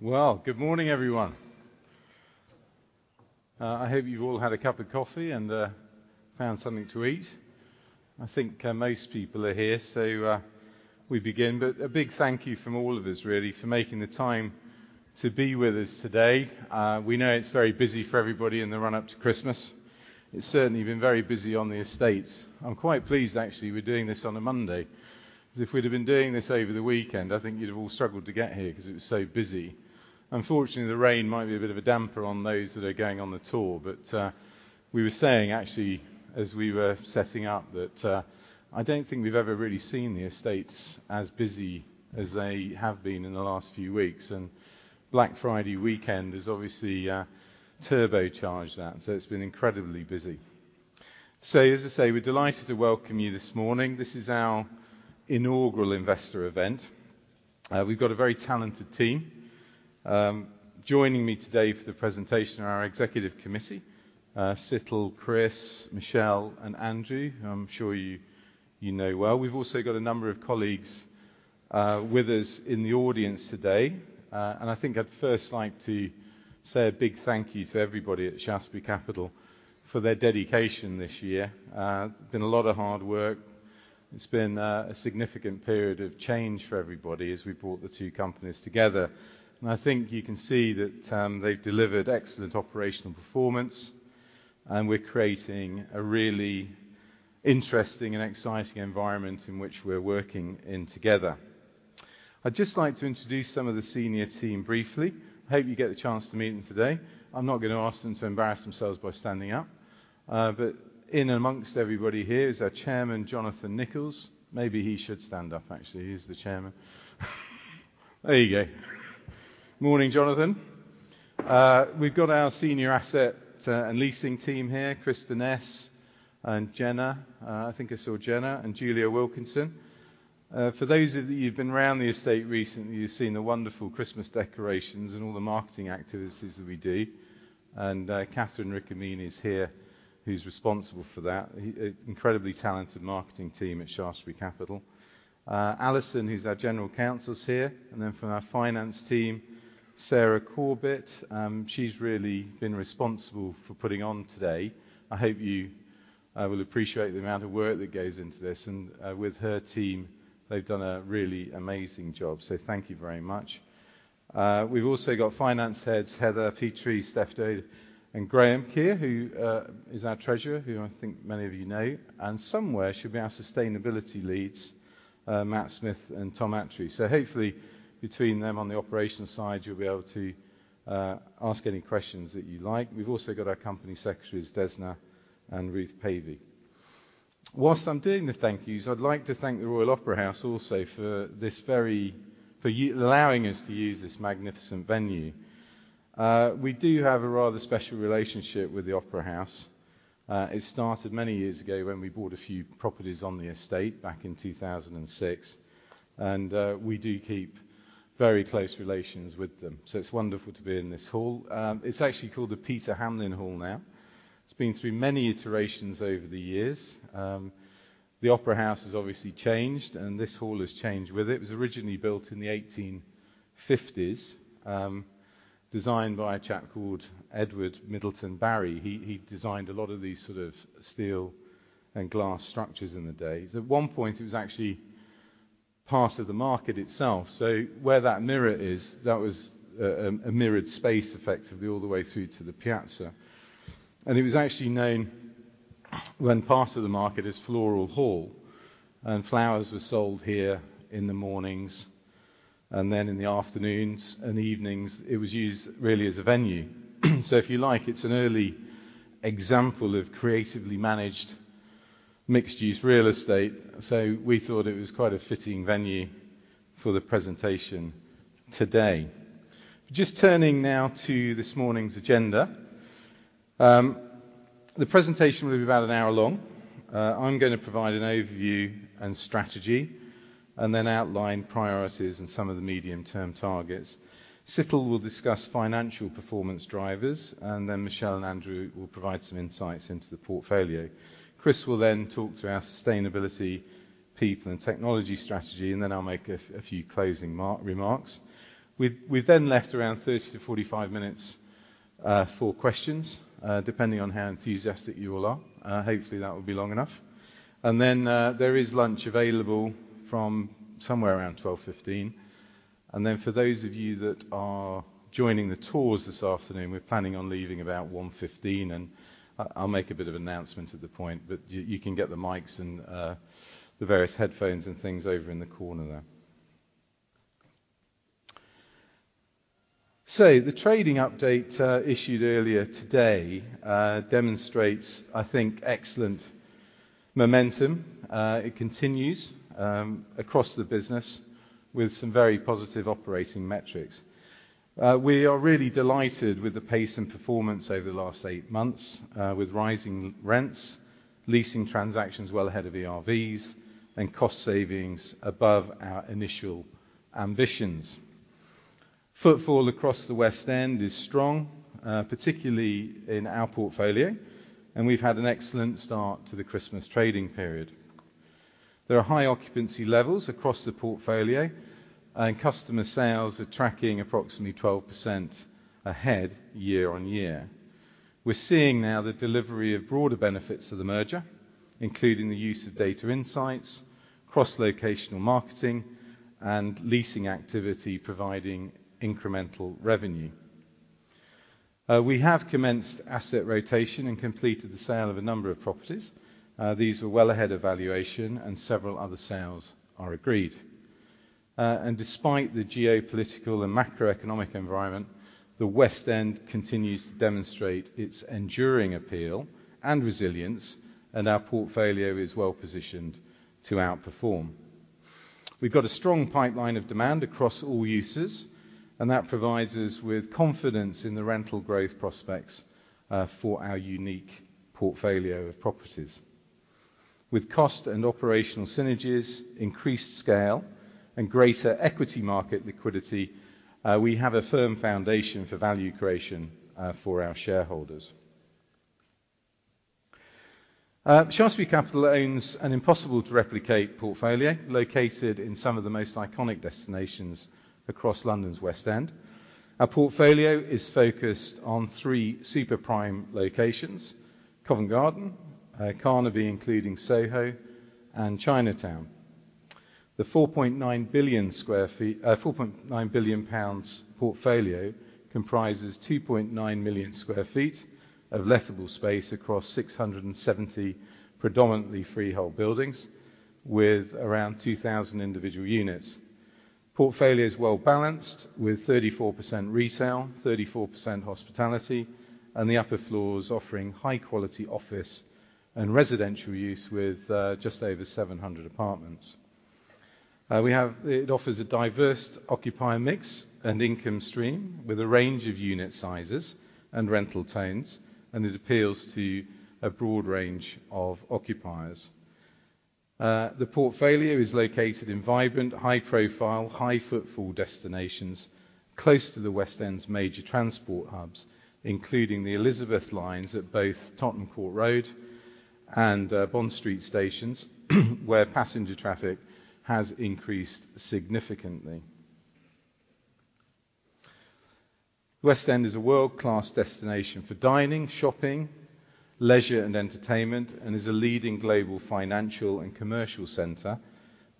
Well, good morning, everyone. I hope you've all had a cup of coffee and found something to eat. I think most people are here, so we begin. But a big thank you from all of us, really, for making the time to be with us today. We know it's very busy for everybody in the run-up to Christmas. It's certainly been very busy on the estates. I'm quite pleased, actually, we're doing this on a Monday, 'cause if we'd have been doing this over the weekend, I think you'd have all struggled to get here 'cause it was so busy. Unfortunately, the rain might be a bit of a damper on those that are going on the tour, but we were saying, actually, as we were setting up, that I don't think we've ever really seen the estates as busy as they have been in the last few weeks, and Black Friday weekend has obviously turbocharged that, so it's been incredibly busy. So, as I say, we're delighted to welcome you this morning. This is our inaugural investor event. We've got a very talented team. Joining me today for the presentation are our executive committee, Situl, Chris, Michelle, and Andrew, who I'm sure you, you know well. We've also got a number of colleagues with us in the audience today. And I think I'd first like to say a big thank you to everybody at Shaftesbury Capital for their dedication this year. Been a lot of hard work. It's been a significant period of change for everybody as we've brought the two companies together, and I think you can see that, they've delivered excellent operational performance, and we're creating a really interesting and exciting environment in which we're working in together. I'd just like to introduce some of the senior team briefly. I hope you get the chance to meet them today. I'm not going to ask them to embarrass themselves by standing up, but in amongst everybody here is our Chairman, Jonathan Nicholls. Maybe he should stand up, actually. He's the chairman. There you go. Morning, Jonathan. We've got our senior asset and leasing team here, Kristen Es and Jenna. I think I saw Jenna and Julia Wilkinson. For those of you who've been around the estate recently, you've seen the wonderful Christmas decorations and all the marketing activities that we do, and Catherine Riccomini is here, who's responsible for that. Incredibly talented marketing team at Shaftesbury Capital. Alison, who's our general counsel, is here, and then from our finance team, Sarah Corbett. She's really been responsible for putting on today. I hope you will appreciate the amount of work that goes into this, and with her team, they've done a really amazing job, so thank you very much. We've also got finance heads, Heather Petrie, Steph Dade, and Graham Keer, who is our treasurer, who I think many of you know. And somewhere should be our sustainability leads, Matt Smith and Tom Attree. So hopefully, between them on the operations side, you'll be able to ask any questions that you like. We've also got our company secretaries, Desna and Ruth Pavey. While I'm doing the thank yous, I'd like to thank the Royal Opera House also for allowing us to use this magnificent venue. We do have a rather special relationship with the Opera House. It started many years ago when we bought a few properties on the estate back in 2006, and we do keep very close relations with them, so it's wonderful to be in this hall. It's actually called the Peter Hamlyn Hall now. It's been through many iterations over the years. The Opera House has obviously changed, and this hall has changed with it. It was originally built in the 1850s, designed by a chap called Edward Middleton Barry. He, he designed a lot of these sort of steel and glass structures in the day. At one point, it was actually part of the market itself. So where that mirror is, that was a mirrored space, effectively, all the way through to the piazza. And it was actually known, when part of the market, as Floral Hall, and flowers were sold here in the mornings, and then in the afternoons and the evenings, it was used really as a venue. So if you like, it's an early example of creatively managed mixed-use real estate, so we thought it was quite a fitting venue for the presentation today. Just turning now to this morning's agenda. The presentation will be about an hour long. I'm going to provide an overview and strategy and then outline priorities and some of the medium-term targets. Situl will discuss financial performance drivers, and then Michelle and Andrew will provide some insights into the portfolio. Chris will then talk through our sustainability, people, and technology strategy, and then I'll make a few closing remarks. We've then left around 30-45 minutes for questions, depending on how enthusiastic you all are. Hopefully, that will be long enough. And then, there is lunch available from somewhere around 12:15 P.M. And then for those of you that are joining the tours this afternoon, we're planning on leaving about 1:15 P.M., and I'll make a bit of announcement at the point, but you can get the mics and the various headphones and things over in the corner there. The trading update issued earlier today demonstrates, I think, excellent momentum. It continues across the business with some very positive operating metrics. We are really delighted with the pace and performance over the last eight months with rising rents, leasing transactions well ahead of ERVs, and cost savings above our initial ambitions. Footfall across the West End is strong, particularly in our portfolio, and we've had an excellent start to the Christmas trading period. There are high occupancy levels across the portfolio, and customer sales are tracking approximately 12% ahead year-on-year. We're seeing now the delivery of broader benefits of the merger, including the use of data insights, cross-locational marketing, and leasing activity, providing incremental revenue. We have commenced asset rotation and completed the sale of a number of properties. These were well ahead of valuation, and several other sales are agreed. Despite the geopolitical and macroeconomic environment, the West End continues to demonstrate its enduring appeal and resilience, and our portfolio is well-positioned to outperform. We've got a strong pipeline of demand across all uses, and that provides us with confidence in the rental growth prospects for our unique portfolio of properties. With cost and operational synergies, increased scale, and greater equity market liquidity, we have a firm foundation for value creation for our shareholders. Shaftesbury Capital owns an impossible-to-replicate portfolio, located in some of the most iconic destinations across London's West End. Our portfolio is focused on three super prime locations: Covent Garden, Carnaby, including Soho, and Chinatown. The 4.9 billion sq ft, 4.9 billion GBP portfolio comprises 2.9 million sq ft of lettable space across 670 predominantly freehold buildings, with around 2,000 individual units. Portfolio is well-balanced, with 34% retail, 34% hospitality, and the upper floors offering high-quality office and residential use with just over 700 apartments. It offers a diverse occupier mix and income stream with a range of unit sizes and rental tenures, and it appeals to a broad range of occupiers. The portfolio is located in vibrant, high profile, high footfall destinations close to the West End's major transport hubs, including the Elizabeth line at both Tottenham Court Road and Bond Street stations, where passenger traffic has increased significantly. West End is a world-class destination for dining, shopping, leisure, and entertainment, and is a leading global financial and commercial center,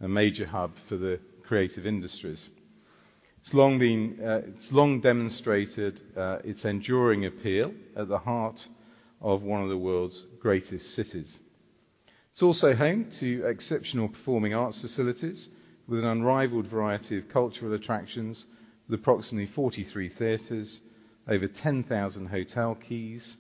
a major hub for the creative industries. It's long been, it's long demonstrated, its enduring appeal at the heart of one of the world's greatest cities. It's also home to exceptional performing arts facilities with an unrivaled variety of cultural attractions, with approximately 43 theaters, over 10,000 hotel keys,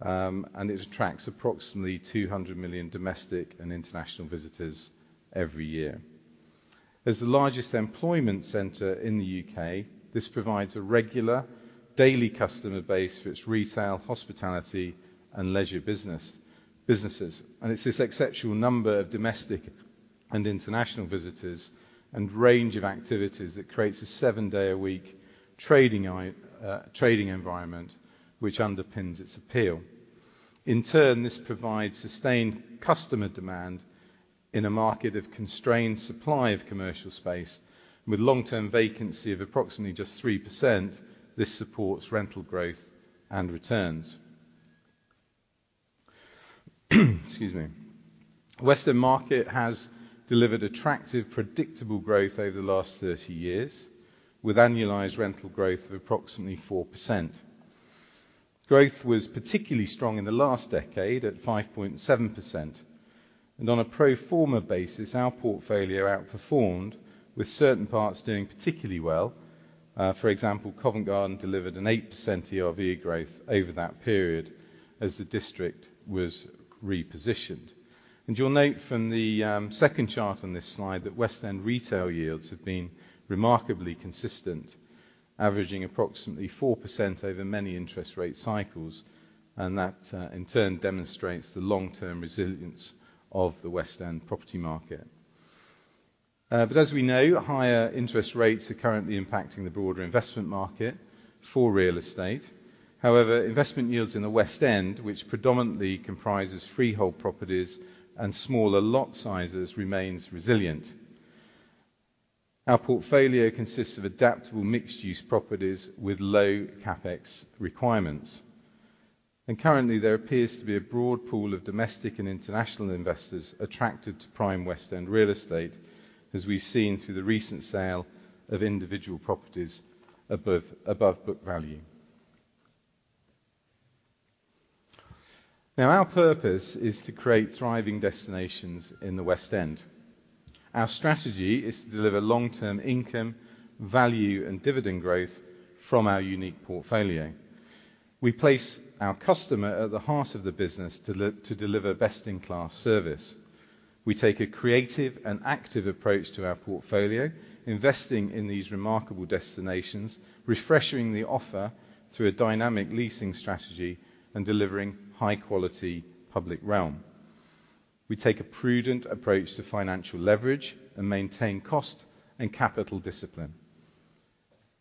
and it attracts approximately 200 million domestic and international visitors every year. As the largest employment center in the U.K., this provides a regular daily customer base for its retail, hospitality, and leisure business, businesses. It's this exceptional number of domestic and international visitors and range of activities that creates a seven-day-a-week trading environment, which underpins its appeal. In turn, this provides sustained customer demand in a market of constrained supply of commercial space, with long-term vacancy of approximately just 3%. This supports rental growth and returns. Excuse me. West End market has delivered attractive, predictable growth over the last 30 years, with annualized rental growth of approximately 4%. Growth was particularly strong in the last decade at 5.7%, and on a pro forma basis, our portfolio outperformed, with certain parts doing particularly well. For example, Covent Garden delivered an 8% ERV growth over that period as the district was repositioned. You'll note from the second chart on this slide that West End retail yields have been remarkably consistent, averaging approximately 4% over many interest rate cycles, and that, in turn demonstrates the long-term resilience of the West End property market. But as we know, higher interest rates are currently impacting the broader investment market for real estate. However, investment yields in the West End, which predominantly comprises freehold properties and smaller lot sizes, remains resilient. Our portfolio consists of adaptable mixed-use properties with low CapEx requirements. Currently, there appears to be a broad pool of domestic and international investors attracted to prime West End real estate, as we've seen through the recent sale of individual properties above book value. Now, our purpose is to create thriving destinations in the West End. Our strategy is to deliver long-term income, value, and dividend growth from our unique portfolio. We place our customer at the heart of the business to deliver best-in-class service. We take a creative and active approach to our portfolio, investing in these remarkable destinations, refreshing the offer through a dynamic leasing strategy, and delivering high-quality public realm. We take a prudent approach to financial leverage and maintain cost and capital discipline.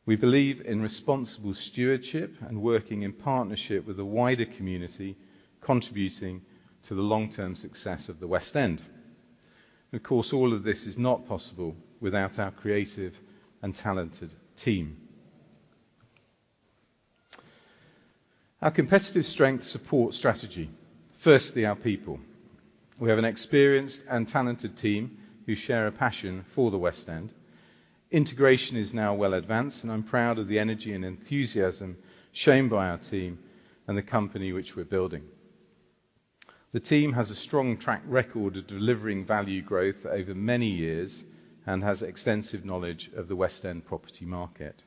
We believe in responsible stewardship and working in partnership with the wider community, contributing to the long-term success of the West End. Of course, all of this is not possible without our creative and talented team. Our competitive strengths support strategy. Firstly, our people. We have an experienced and talented team who share a passion for the West End. Integration is now well advanced, and I'm proud of the energy and enthusiasm shown by our team and the company which we're building. The team has a strong track record of delivering value growth over many years and has extensive knowledge of the West End property market.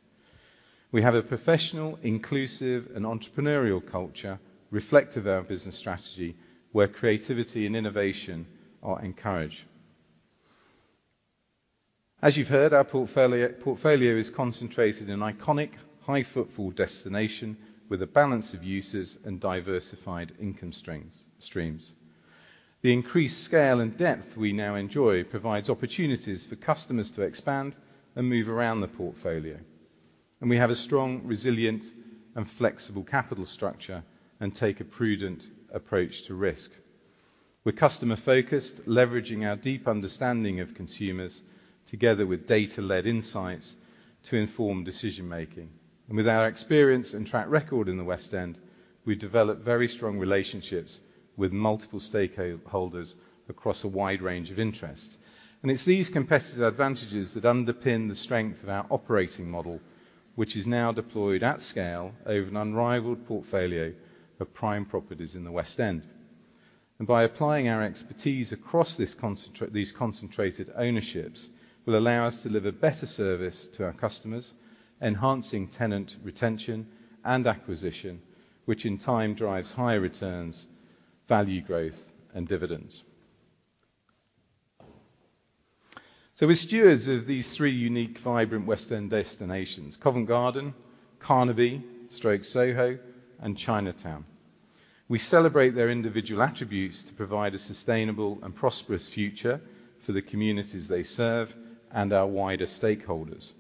We have a professional, inclusive, and entrepreneurial culture reflective of our business strategy, where creativity and innovation are encouraged. As you've heard, our portfolio is concentrated in iconic, high-footfall destination with a balance of uses and diversified income streams. The increased scale and depth we now enjoy provides opportunities for customers to expand and move around the portfolio, and we have a strong, resilient, and flexible capital structure and take a prudent approach to risk. We're customer-focused, leveraging our deep understanding of consumers together with data-led insights to inform decision-making. And with our experience and track record in the West End, we've developed very strong relationships with multiple stakeholders across a wide range of interests. And it's these competitive advantages that underpin the strength of our operating model, which is now deployed at scale over an unrivaled portfolio of prime properties in the West End. By applying our expertise across these concentrated ownerships, will allow us to deliver better service to our customers, enhancing tenant retention and acquisition, which in time drives higher returns, value growth, and dividends. We're stewards of these three unique, vibrant West End destinations: Covent Garden, Carnaby/Soho, and Chinatown. We celebrate their individual attributes to provide a sustainable and prosperous future for the communities they serve and our wider stakeholders.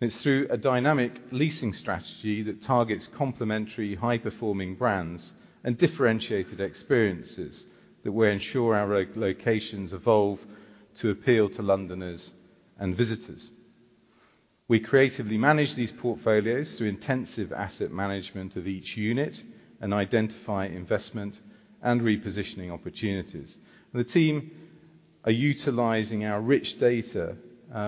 It's through a dynamic leasing strategy that targets complementary, high-performing brands and differentiated experiences that we ensure our locations evolve to appeal to Londoners and visitors. We creatively manage these portfolios through intensive asset management of each unit and identify investment and repositioning opportunities. The team are utilizing our rich data,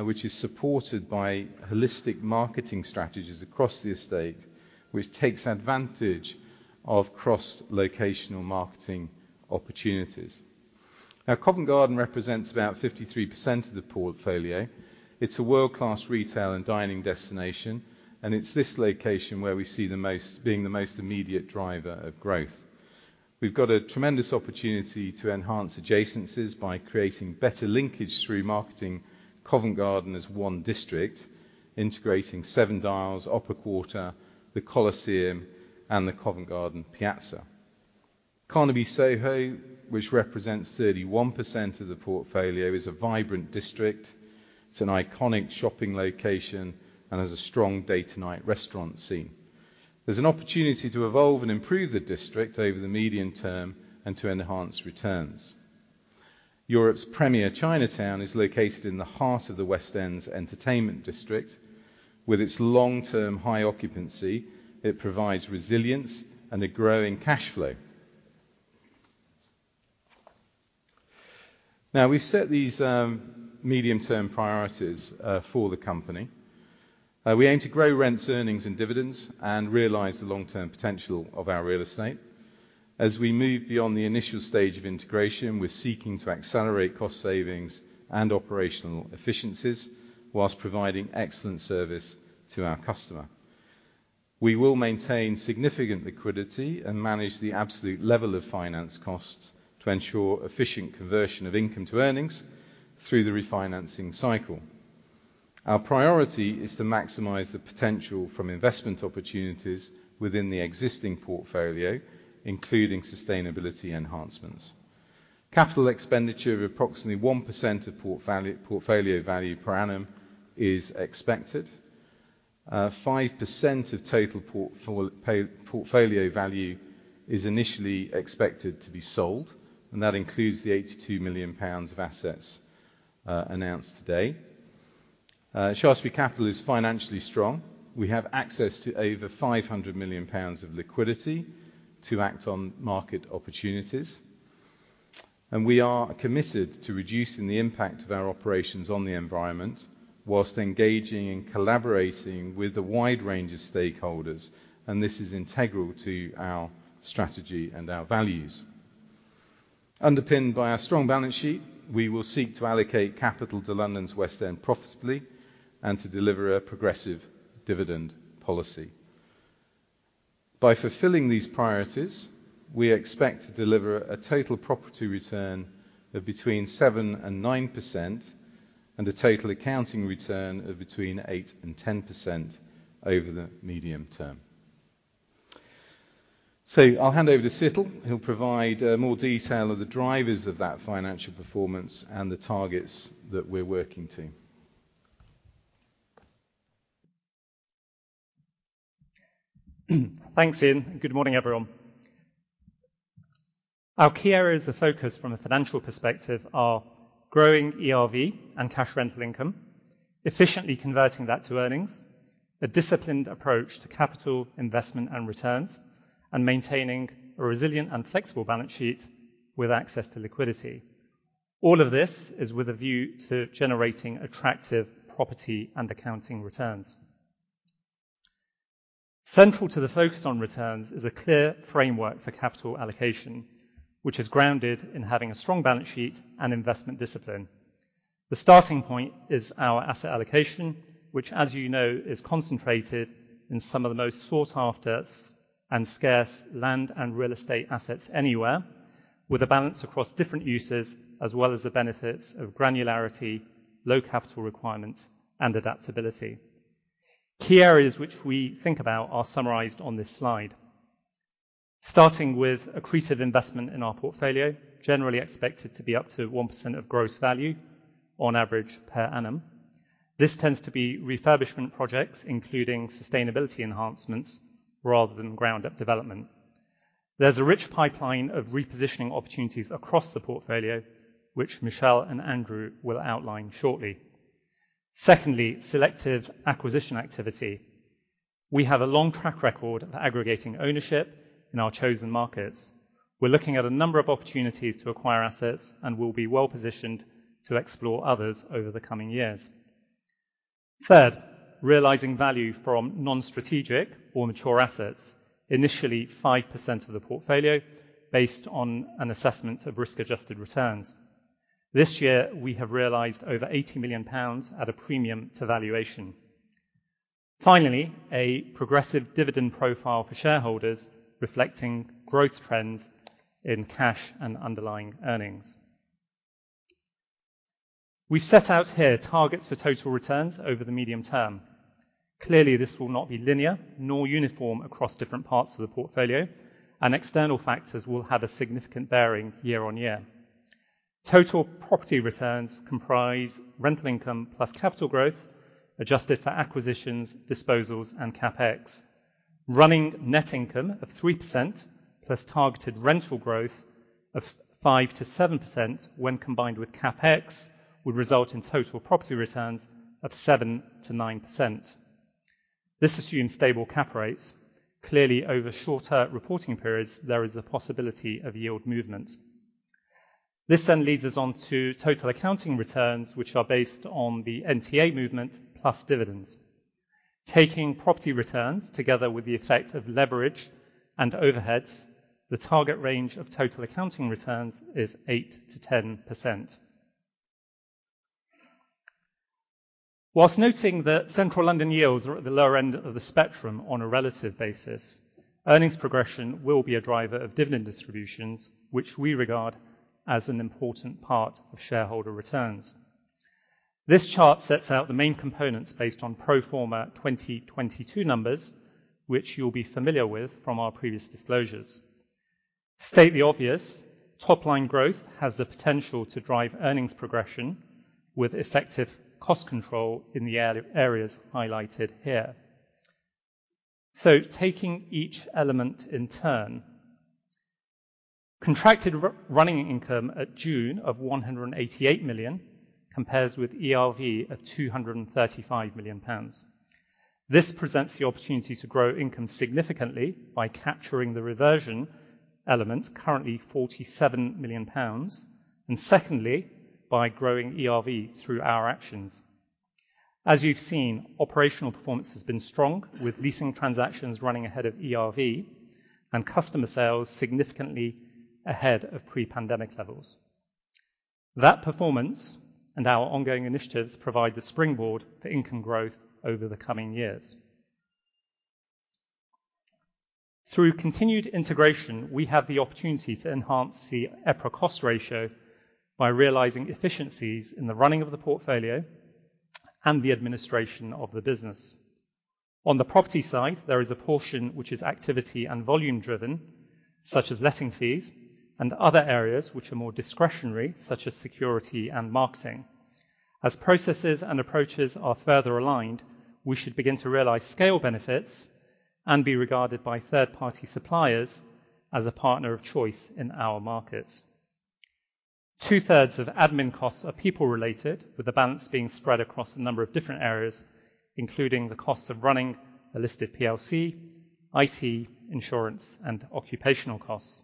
which is supported by holistic marketing strategies across the estate, which takes advantage of cross-locational marketing opportunities. Now, Covent Garden represents about 53% of the portfolio. It's a world-class retail and dining destination, and it's this location where we see the most immediate driver of growth. We've got a tremendous opportunity to enhance adjacencies by creating better linkage through marketing Covent Garden as one district, integrating Seven Dials, Opera Quarter, The Coliseum, and the Covent Garden Piazza. Carnaby Soho, which represents 31% of the portfolio, is a vibrant district. It's an iconic shopping location and has a strong day-to-night restaurant scene. There's an opportunity to evolve and improve the district over the medium term and to enhance returns. Europe's premier Chinatown is located in the heart of the West End's entertainment district. With its long-term high occupancy, it provides resilience and a growing cash flow. Now, we've set these medium-term priorities for the company. We aim to grow rents, earnings, and dividends and realize the long-term potential of our real estate. As we move beyond the initial stage of integration, we're seeking to accelerate cost savings and operational efficiencies while providing excellent service to our customer. We will maintain significant liquidity and manage the absolute level of finance costs to ensure efficient conversion of income to earnings through the refinancing cycle. Our priority is to maximize the potential from investment opportunities within the existing portfolio, including sustainability enhancements. Capital expenditure of approximately 1% of portfolio value per annum is expected. Five percent of total portfolio value is initially expected to be sold, and that includes the 82 million pounds of assets announced today. Shaftesbury Capital is financially strong. We have access to over 500 million pounds of liquidity to act on market opportunities, and we are committed to reducing the impact of our operations on the environment while engaging and collaborating with a wide range of stakeholders, and this is integral to our strategy and our values. Underpinned by our strong balance sheet, we will seek to allocate capital to London's West End profitably and to deliver a progressive dividend policy. By fulfilling these priorities, we expect to deliver a total property return of between 7% and 9% and a total accounting return of between 8% and 10% over the medium term. I'll hand over to Situl, who'll provide more detail of the drivers of that financial performance and the targets that we're working to. Thanks, Ian, and good morning, everyone. Our key areas of focus from a financial perspective are growing ERV and cash rental income, efficiently converting that to earnings, a disciplined approach to capital investment and returns, and maintaining a resilient and flexible balance sheet with access to liquidity. All of this is with a view to generating attractive property and accounting returns. Central to the focus on returns is a clear framework for capital allocation, which is grounded in having a strong balance sheet and investment discipline. The starting point is our asset allocation, which, as you know, is concentrated in some of the most sought-after and scarce land and real estate assets anywhere, with a balance across different uses, as well as the benefits of granularity, low capital requirements, and adaptability. Key areas which we think about are summarized on this slide. Starting with accretive investment in our portfolio, generally expected to be up to 1% of gross value on average per annum. This tends to be refurbishment projects, including sustainability enhancements, rather than ground-up development. There's a rich pipeline of repositioning opportunities across the portfolio, which Michelle and Andrew will outline shortly. Secondly, selective acquisition activity. We have a long track record of aggregating ownership in our chosen markets. We're looking at a number of opportunities to acquire assets, and we'll be well-positioned to explore others over the coming years. Third, realizing value from non-strategic or mature assets, initially 5% of the portfolio, based on an assessment of risk-adjusted returns. This year, we have realized over 80 million pounds at a premium to valuation. Finally, a progressive dividend profile for shareholders, reflecting growth trends in cash and underlying earnings. We've set out here targets for total returns over the medium term. Clearly, this will not be linear nor uniform across different parts of the portfolio, and external factors will have a significant bearing year on year. Total property returns comprise rental income plus capital growth, adjusted for acquisitions, disposals, and CapEx. Running net income of 3%, plus targeted rental growth of 5%-7% when combined with CapEx, would result in total property returns of 7%-9%. This assumes stable cap rates. Clearly, over shorter reporting periods, there is a possibility of yield movement. This then leads us on to total accounting returns, which are based on the NTA movement, plus dividends. Taking property returns together with the effect of leverage and overheads, the target range of total accounting returns is 8%-10%. While noting that central London yields are at the lower end of the spectrum on a relative basis, earnings progression will be a driver of dividend distributions, which we regard as an important part of shareholder returns. This chart sets out the main components based on pro forma 2022 numbers, which you'll be familiar with from our previous disclosures. State the obvious, top-line growth has the potential to drive earnings progression with effective cost control in the areas highlighted here. So taking each element in turn. Contracted running income at June of 188 million, compares with ERV of 235 million pounds. This presents the opportunity to grow income significantly by capturing the reversion elements, currently 47 million pounds, and secondly, by growing ERV through our actions. As you've seen, operational performance has been strong, with leasing transactions running ahead of ERV and customer sales significantly ahead of pre-pandemic levels. That performance and our ongoing initiatives provide the springboard for income growth over the coming years. Through continued integration, we have the opportunity to enhance the EPRA cost ratio by realizing efficiencies in the running of the portfolio and the administration of the business. On the property side, there is a portion which is activity and volume driven, such as letting fees and other areas which are more discretionary, such as security and marketing. As processes and approaches are further aligned, we should begin to realize scale benefits and be regarded by third-party suppliers as a partner of choice in our markets. Two-thirds of admin costs are people-related, with the balance being spread across a number of different areas, including the costs of running a listed PLC, IT, insurance, and occupational costs.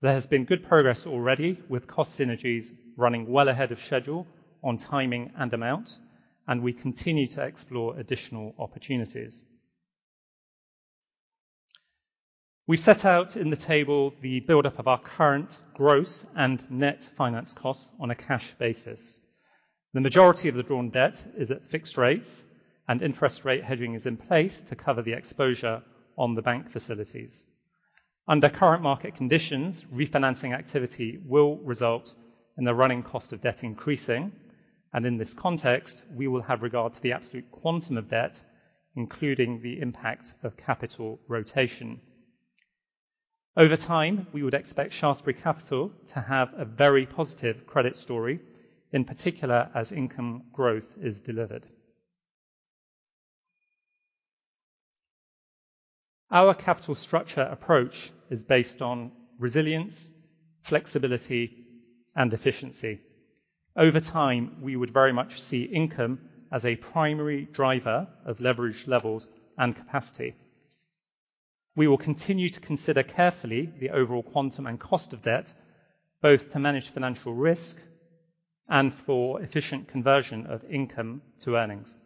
There has been good progress already, with cost synergies running well ahead of schedule on timing and amount, and we continue to explore additional opportunities. We set out in the table the buildup of our current gross and net finance costs on a cash basis. The majority of the drawn debt is at fixed rates, and interest rate hedging is in place to cover the exposure on the bank facilities. Under current market conditions, refinancing activity will result in the running cost of debt increasing... and in this context, we will have regard to the absolute quantum of debt, including the impact of capital rotation. Over time, we would expect Shaftesbury Capital to have a very positive credit story, in particular, as income growth is delivered. Our capital structure approach is based on resilience, flexibility, and efficiency. Over time, we would very much see income as a primary driver of leverage levels and capacity. We will continue to consider carefully the overall quantum and cost of debt, both to manage financial risk and for efficient conversion of income to earnings.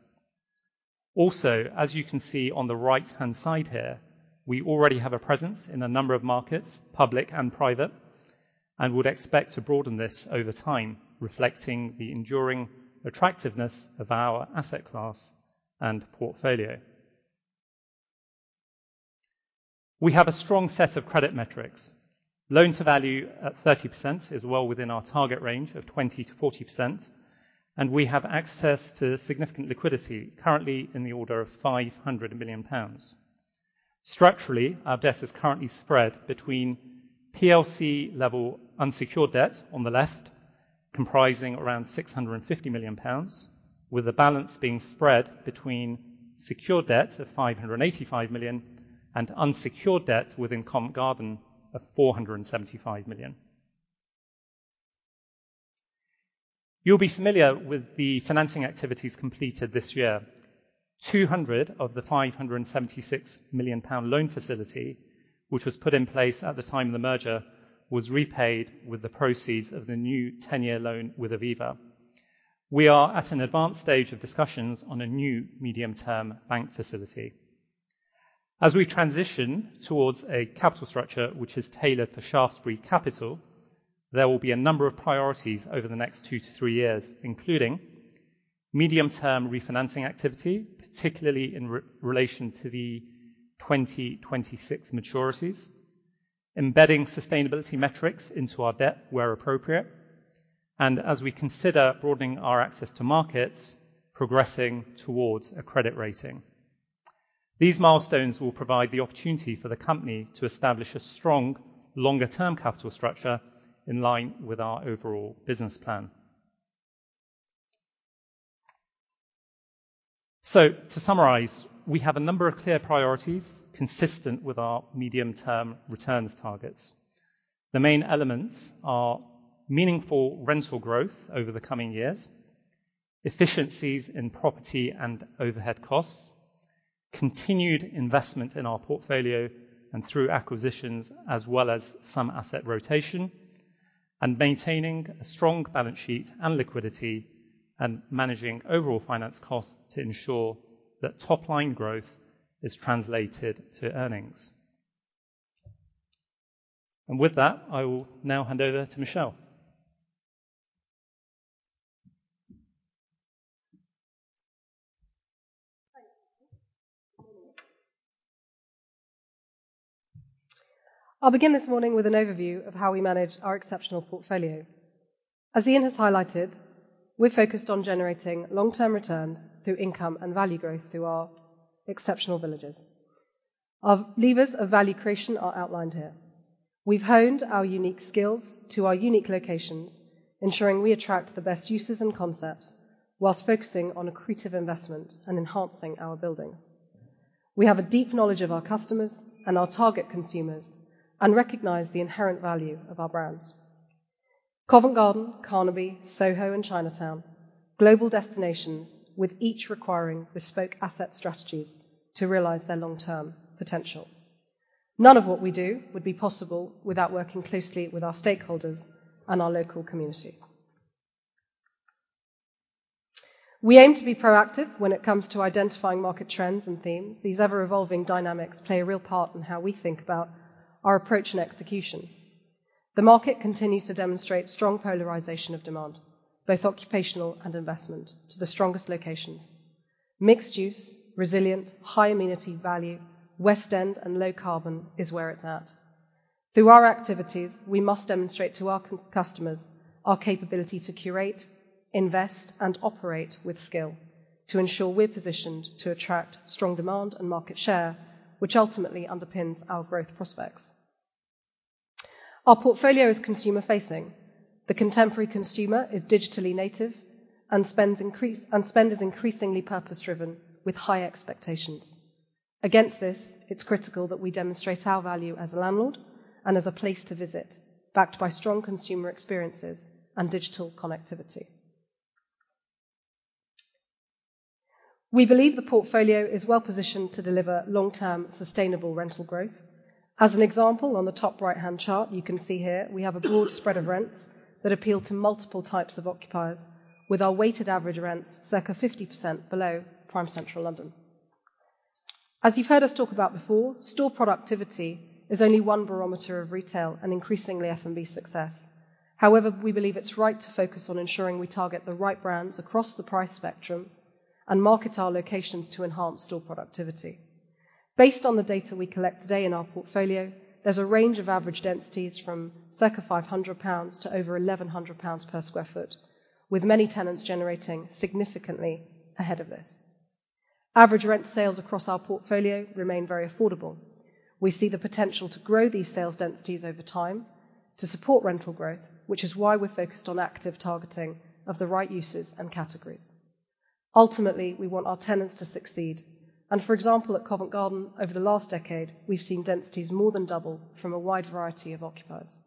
Also, as you can see on the right-hand side here, we already have a presence in a number of markets, public and private, and would expect to broaden this over time, reflecting the enduring attractiveness of our asset class and portfolio. We have a strong set of credit metrics. Loan-to-value at 30% is well within our target range of 20%-40%, and we have access to significant liquidity, currently in the order of 500 million pounds. Structurally, our debt is currently spread between PLC level unsecured debt on the left, comprising around 650 million pounds, with the balance being spread between secured debts of 585 million and unsecured debts within Covent Garden of 475 million. You'll be familiar with the financing activities completed this year. 200 of the 576 million pound loan facility, which was put in place at the time of the merger, was repaid with the proceeds of the new 10-year loan with Aviva. We are at an advanced stage of discussions on a new medium-term bank facility. As we transition towards a capital structure, which is tailored for Shaftesbury Capital, there will be a number of priorities over the next two to three years, including medium-term refinancing activity, particularly in relation to the 2026 maturities, embedding sustainability metrics into our debt, where appropriate, and as we consider broadening our access to markets, progressing towards a credit rating. These milestones will provide the opportunity for the company to establish a strong, longer-term capital structure in line with our overall business plan. So to summarize, we have a number of clear priorities consistent with our medium-term returns targets. The main elements are meaningful rental growth over the coming years, efficiencies in property and overhead costs, continued investment in our portfolio and through acquisitions, as well as some asset rotation, and maintaining a strong balance sheet and liquidity, and managing overall finance costs to ensure that top-line growth is translated to earnings. And with that, I will now hand over to Michelle. I'll begin this morning with an overview of how we manage our exceptional portfolio. As Ian has highlighted, we're focused on generating long-term returns through income and value growth through our exceptional villages. Our levers of value creation are outlined here. We've honed our unique skills to our unique locations, ensuring we attract the best uses and concepts, while focusing on accretive investment and enhancing our buildings. We have a deep knowledge of our customers and our target consumers and recognize the inherent value of our brands. Covent Garden, Carnaby, Soho, and Chinatown, global destinations with each requiring bespoke asset strategies to realize their long-term potential. None of what we do would be possible without working closely with our stakeholders and our local community. We aim to be proactive when it comes to identifying market trends and themes. These ever-evolving dynamics play a real part in how we think about our approach and execution. The market continues to demonstrate strong polarization of demand, both occupational and investment, to the strongest locations. Mixed use, resilient, high amenity value, West End, and low carbon is where it's at. Through our activities, we must demonstrate to our customers our capability to curate, invest, and operate with skill to ensure we're positioned to attract strong demand and market share, which ultimately underpins our growth prospects. Our portfolio is consumer-facing. The contemporary consumer is digitally native and spend is increasingly purpose-driven with high expectations. Against this, it's critical that we demonstrate our value as a landlord and as a place to visit, backed by strong consumer experiences and digital connectivity. We believe the portfolio is well positioned to deliver long-term, sustainable rental growth. As an example, on the top right-hand chart, you can see here, we have a broad spread of rents that appeal to multiple types of occupiers, with our weighted average rents circa 50% below prime Central London. As you've heard us talk about before, store productivity is only one barometer of retail and increasingly F&B success. However, we believe it's right to focus on ensuring we target the right brands across the price spectrum and market our locations to enhance store productivity....Based on the data we collect today in our portfolio, there's a range of average densities from circa 500 pounds to over 1,100 pounds per sq ft, with many tenants generating significantly ahead of this. Average rent sales across our portfolio remain very affordable. We see the potential to grow these sales densities over time to support rental growth, which is why we're focused on active targeting of the right uses and categories. Ultimately, we want our tenants to succeed, and for example, at Covent Garden, over the last decade, we've seen densities more than double from a wide variety of occupiers.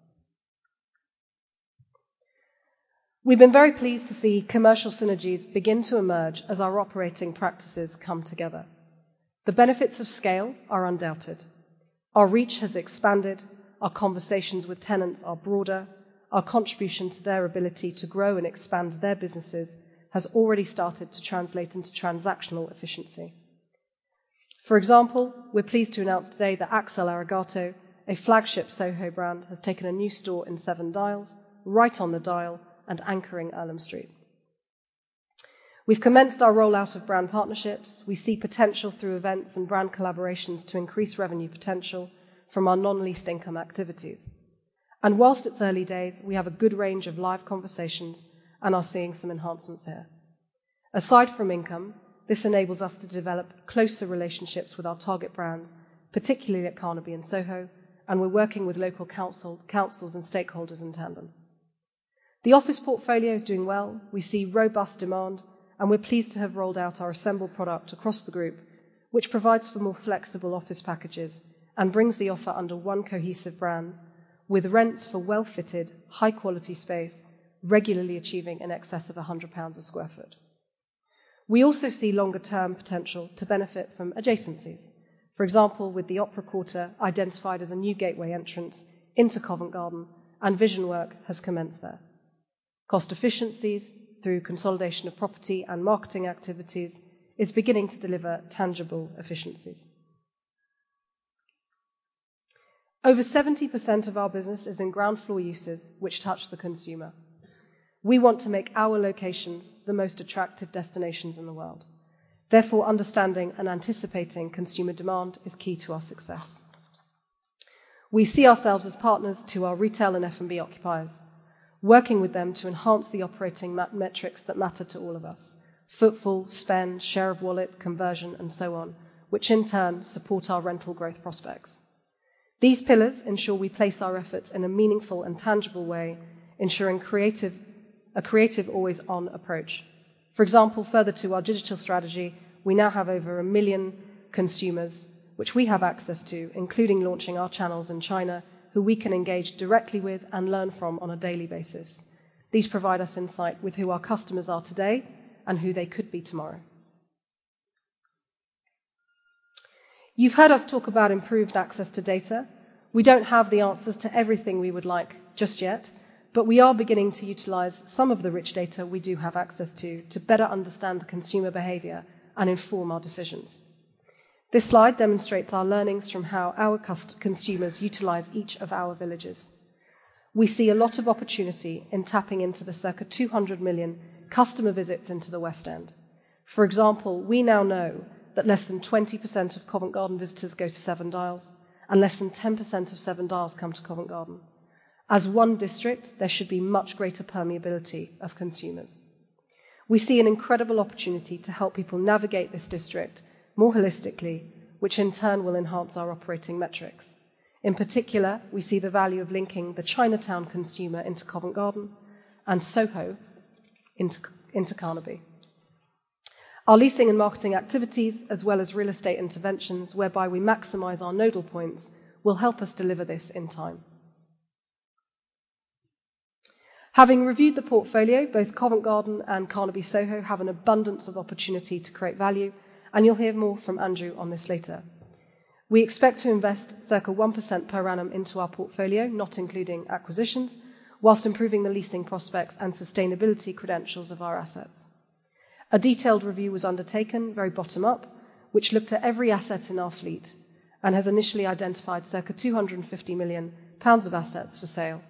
We've been very pleased to see commercial synergies begin to emerge as our operating practices come together. The benefits of scale are undoubted. Our reach has expanded, our conversations with tenants are broader, our contribution to their ability to grow and expand their businesses has already started to translate into transactional efficiency. For example, we're pleased to announce today that Axel Arigato, a flagship Soho brand, has taken a new store in Seven Dials, right on the dial and anchoring Earlham Street. We've commenced our rollout of brand partnerships. We see potential through events and brand collaborations to increase revenue potential from our non-leased income activities. While it's early days, we have a good range of live conversations and are seeing some enhancements here. Aside from income, this enables us to develop closer relationships with our target brands, particularly at Carnaby and Soho, and we're working with local council, councils and stakeholders in tandem. The office portfolio is doing well. We see robust demand, and we're pleased to have rolled out our assembled product across the group, which provides for more flexible office packages and brings the offer under one cohesive brands, with rents for well-fitted, high-quality space, regularly achieving in excess of 100 pounds a sq ft. We also see longer-term potential to benefit from adjacencies. For example, with the Opera Quarter identified as a new gateway entrance into Covent Garden. Vision work has commenced there. Cost efficiencies through consolidation of property and marketing activities is beginning to deliver tangible efficiencies. Over 70% of our business is in ground floor uses, which touch the consumer. We want to make our locations the most attractive destinations in the world. Therefore, understanding and anticipating consumer demand is key to our success. We see ourselves as partners to our retail and F&B occupiers, working with them to enhance the operating metrics that matter to all of us. Footfall, spend, share of wallet, conversion, and so on, which in turn support our rental growth prospects. These pillars ensure we place our efforts in a meaningful and tangible way, ensuring a creative always-on approach. For example, further to our digital strategy, we now have over 1 million consumers, which we have access to, including launching our channels in China, who we can engage directly with and learn from on a daily basis. These provide us insight with who our customers are today and who they could be tomorrow. You've heard us talk about improved access to data. We don't have the answers to everything we would like just yet, but we are beginning to utilize some of the rich data we do have access to, to better understand the consumer behavior and inform our decisions. This slide demonstrates our learnings from how our consumers utilize each of our villages. We see a lot of opportunity in tapping into the circa 200 million customer visits into the West End. For example, we now know that less than 20% of Covent Garden visitors go to Seven Dials, and less than 10% of Seven Dials come to Covent Garden. As one district, there should be much greater permeability of consumers. We see an incredible opportunity to help people navigate this district more holistically, which in turn will enhance our operating metrics. In particular, we see the value of linking the Chinatown consumer into Covent Garden and Soho into Carnaby. Our leasing and marketing activities, as well as real estate interventions, whereby we maximize our nodal points, will help us deliver this in time. Having reviewed the portfolio, both Covent Garden and Carnaby, Soho, have an abundance of opportunity to create value, and you'll hear more from Andrew on this later. We expect to invest circa 1% per annum into our portfolio, not including acquisitions, while improving the leasing prospects and sustainability credentials of our assets. A detailed review was undertaken, very bottom up, which looked at every asset in our fleet and has initially identified circa 250 million pounds of assets for sale.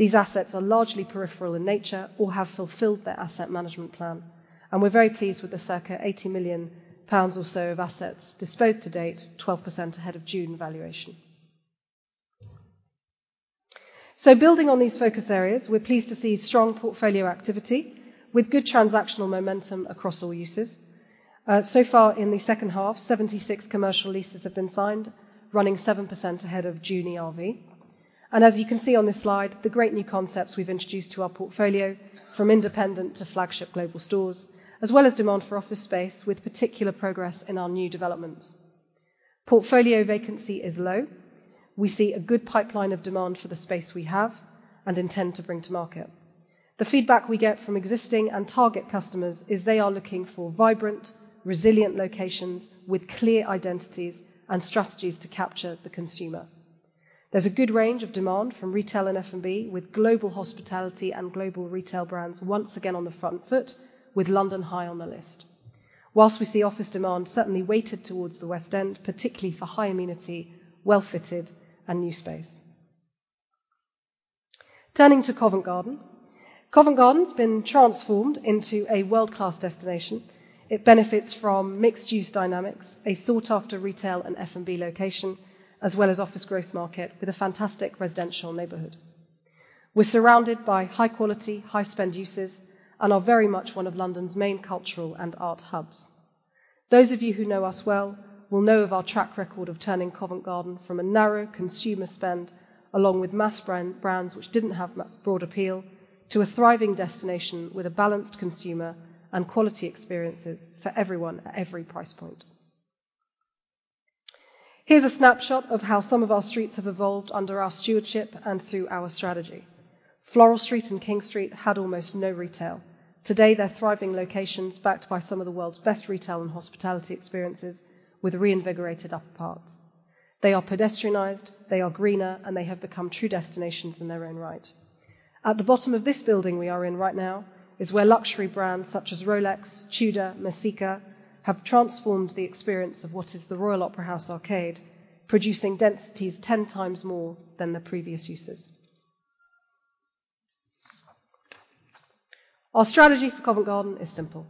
These assets are largely peripheral in nature or have fulfilled their asset management plan, and we're very pleased with the circa 80 million pounds or so of assets disposed to date, 12% ahead of June valuation. So building on these focus areas, we're pleased to see strong portfolio activity with good transactional momentum across all uses. So far in the second half, 76 commercial leases have been signed, running 7% ahead of June RV. As you can see on this slide, the great new concepts we've introduced to our portfolio, from independent to flagship global stores, as well as demand for office space with particular progress in our new developments. Portfolio vacancy is low. We see a good pipeline of demand for the space we have and intend to bring to market. The feedback we get from existing and target customers is they are looking for vibrant, resilient locations with clear identities and strategies to capture the consumer. There's a good range of demand from retail and F&B, with global hospitality and global retail brands once again on the front foot, with London high on the list. While we see office demand certainly weighted towards the West End, particularly for high amenity, well-fitted, and new space. Turning to Covent Garden. Covent Garden's been transformed into a world-class destination. It benefits from mixed-use dynamics, a sought-after retail and F&B location, as well as office growth market with a fantastic residential neighborhood. We're surrounded by high-quality, high-spend uses and are very much one of London's main cultural and art hubs. Those of you who know us well will know of our track record of turning Covent Garden from a narrow consumer spend, along with mass brands which didn't have much broad appeal, to a thriving destination with a balanced consumer and quality experiences for everyone at every price point. Here's a snapshot of how some of our streets have evolved under our stewardship and through our strategy. Floral Street and King Street had almost no retail. Today, they're thriving locations backed by some of the world's best retail and hospitality experiences with reinvigorated upper parts. They are pedestrianized, they are greener, and they have become true destinations in their own right. At the bottom of this building we are in right now, is where luxury brands such as Rolex, Tudor, Messika, have transformed the experience of what is the Royal Opera House Arcade, producing densities ten times more than the previous uses. Our strategy for Covent Garden is simple: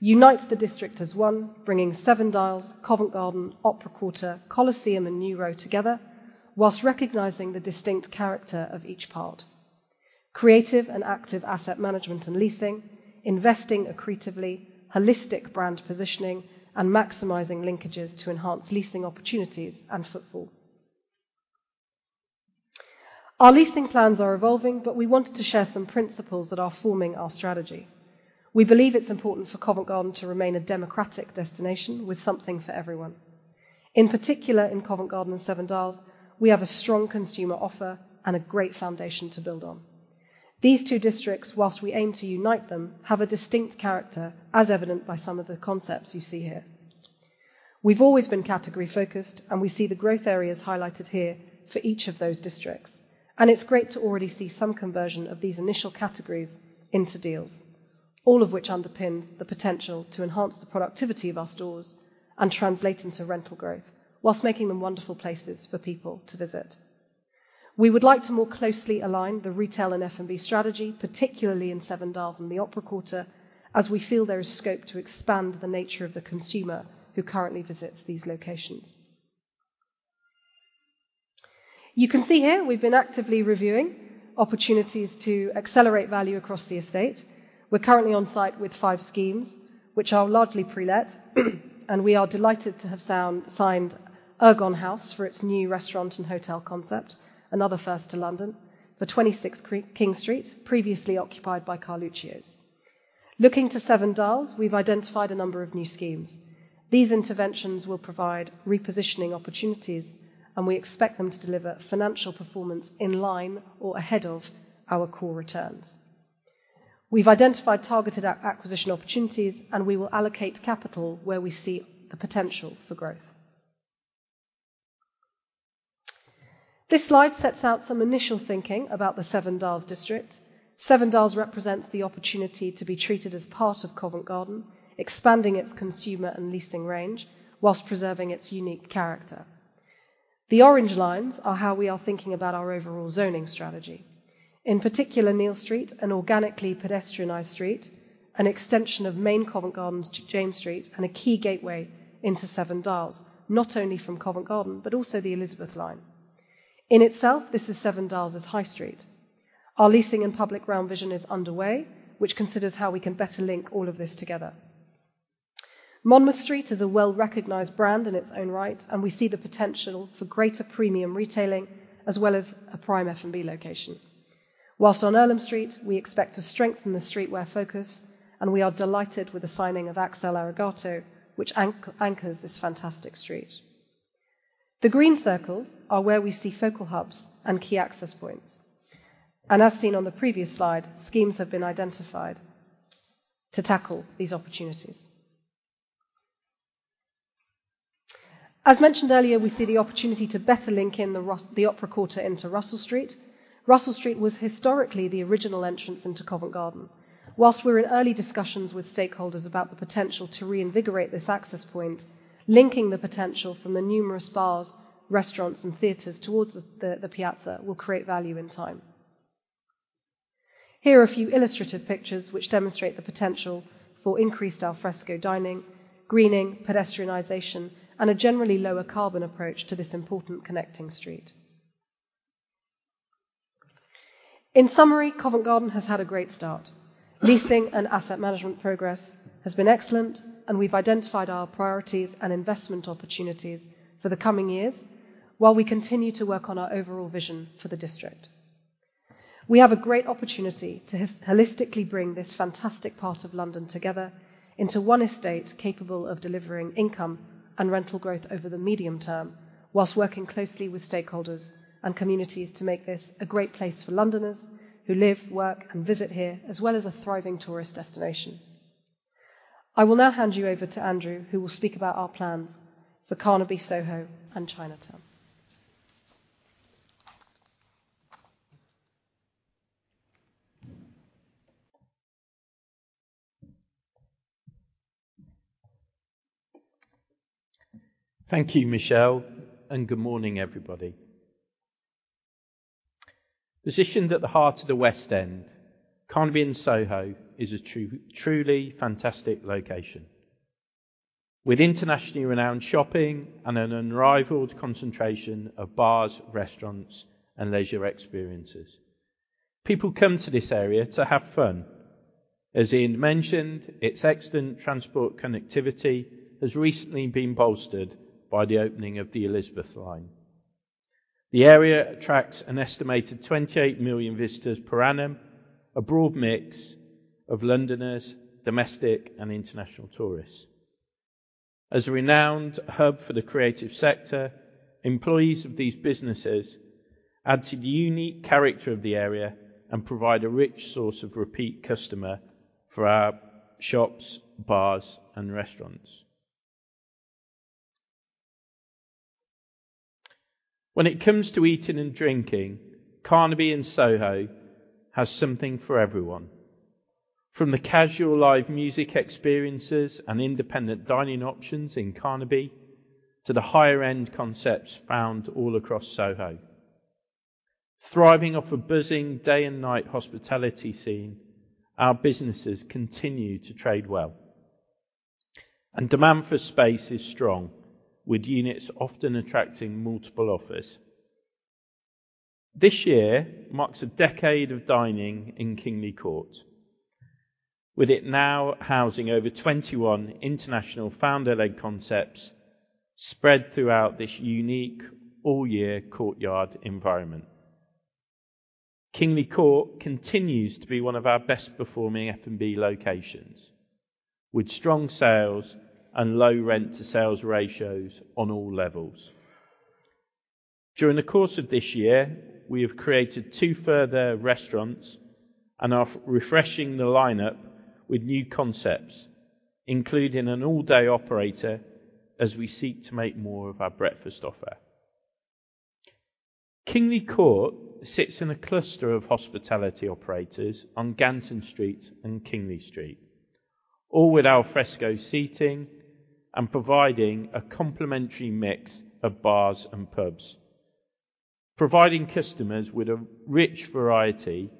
unite the district as one, bringing Seven Dials, Covent Garden, Opera Quarter, Coliseum, and New Row together, while recognizing the distinct character of each part. Creative and active asset management and leasing, investing accretively, holistic brand positioning, and maximizing linkages to enhance leasing opportunities and footfall. Our leasing plans are evolving, but we wanted to share some principles that are forming our strategy. We believe it's important for Covent Garden to remain a democratic destination with something for everyone. In particular, in Covent Garden and Seven Dials, we have a strong consumer offer and a great foundation to build on. These two districts, whilst we aim to unite them, have a distinct character, as evident by some of the concepts you see here. We've always been category-focused, and we see the growth areas highlighted here for each of those districts, and it's great to already see some conversion of these initial categories into deals, all of which underpins the potential to enhance the productivity of our stores and translate into rental growth, whilst making them wonderful places for people to visit. We would like to more closely align the retail and F&B strategy, particularly in Seven Dials and the Opera Quarter, as we feel there is scope to expand the nature of the consumer who currently visits these locations. You can see here, we've been actively reviewing opportunities to accelerate value across the estate. We're currently on site with five schemes, which are largely pre-let, and we are delighted to have signed Ergon House for its new restaurant and hotel concept, another first to London, for 26 King Street, previously occupied by Carluccio's. Looking to Seven Dials, we've identified a number of new schemes. These interventions will provide repositioning opportunities, and we expect them to deliver financial performance in line or ahead of our core returns. We've identified targeted acquisition opportunities, and we will allocate capital where we see the potential for growth. This slide sets out some initial thinking about the Seven Dials district. Seven Dials represents the opportunity to be treated as part of Covent Garden, expanding its consumer and leasing range while preserving its unique character. The orange lines are how we are thinking about our overall zoning strategy. In particular, Neal Street, an organically pedestrianized street, an extension of main Covent Garden's James Street, and a key gateway into Seven Dials, not only from Covent Garden, but also the Elizabeth line. In itself, this is Seven Dials' High Street. Our leasing and public realm vision is underway, which considers how we can better link all of this together. Monmouth Street is a well-recognized brand in its own right, and we see the potential for greater premium retailing, as well as a prime F&B location. While on Earlham Street, we expect to strengthen the streetwear focus, and we are delighted with the signing of Axel Arigato, which anchors this fantastic street. The green circles are where we see focal hubs and key access points, and as seen on the previous slide, schemes have been identified to tackle these opportunities. As mentioned earlier, we see the opportunity to better link in the Opera Quarter into Russell Street. Russell Street was historically the original entrance into Covent Garden. Whilst we're in early discussions with stakeholders about the potential to reinvigorate this access point, linking the potential from the numerous bars, restaurants, and theaters towards the Piazza will create value in time. Here are a few illustrative pictures which demonstrate the potential for increased al fresco dining, greening, pedestrianization, and a generally lower carbon approach to this important connecting street. In summary, Covent Garden has had a great start. Leasing and asset management progress has been excellent, and we've identified our priorities and investment opportunities for the coming years, while we continue to work on our overall vision for the district. We have a great opportunity to holistically bring this fantastic part of London together into one estate, capable of delivering income and rental growth over the medium term, while working closely with stakeholders and communities to make this a great place for Londoners who live, work, and visit here, as well as a thriving tourist destination. I will now hand you over to Andrew, who will speak about our plans for Carnaby, Soho, and Chinatown.... Thank you, Michelle, and good morning, everybody. Positioned at the heart of the West End, Carnaby in Soho is a true, truly fantastic location. With internationally renowned shopping and an unrivaled concentration of bars, restaurants, and leisure experiences, people come to this area to have fun. As Ian mentioned, its excellent transport connectivity has recently been bolstered by the opening of the Elizabeth line. The area attracts an estimated 28 million visitors per annum, a broad mix of Londoners, domestic, and international tourists. As a renowned hub for the creative sector, employees of these businesses add to the unique character of the area and provide a rich source of repeat customer for our shops, bars, and restaurants. When it comes to eating and drinking, Carnaby in Soho has something for everyone. From the casual live music experiences and independent dining options in Carnaby, to the higher-end concepts found all across Soho. Thriving off a buzzing day and night hospitality scene, our businesses continue to trade well, and demand for space is strong, with units often attracting multiple offers. This year marks a decade of dining in Kingly Court, with it now housing over 21 international founder-led concepts spread throughout this unique all-year courtyard environment. Kingly Court continues to be one of our best performing F&B locations, with strong sales and low rent-to-sales ratios on all levels. During the course of this year, we have created two further restaurants and are refreshing the lineup with new concepts, including an all-day operator, as we seek to make more of our breakfast offer. Kingly Court sits in a cluster of hospitality operators on Ganton Street and Kingly Street, all with al fresco seating and providing a complimentary mix of bars and pubs, providing customers with a rich variety.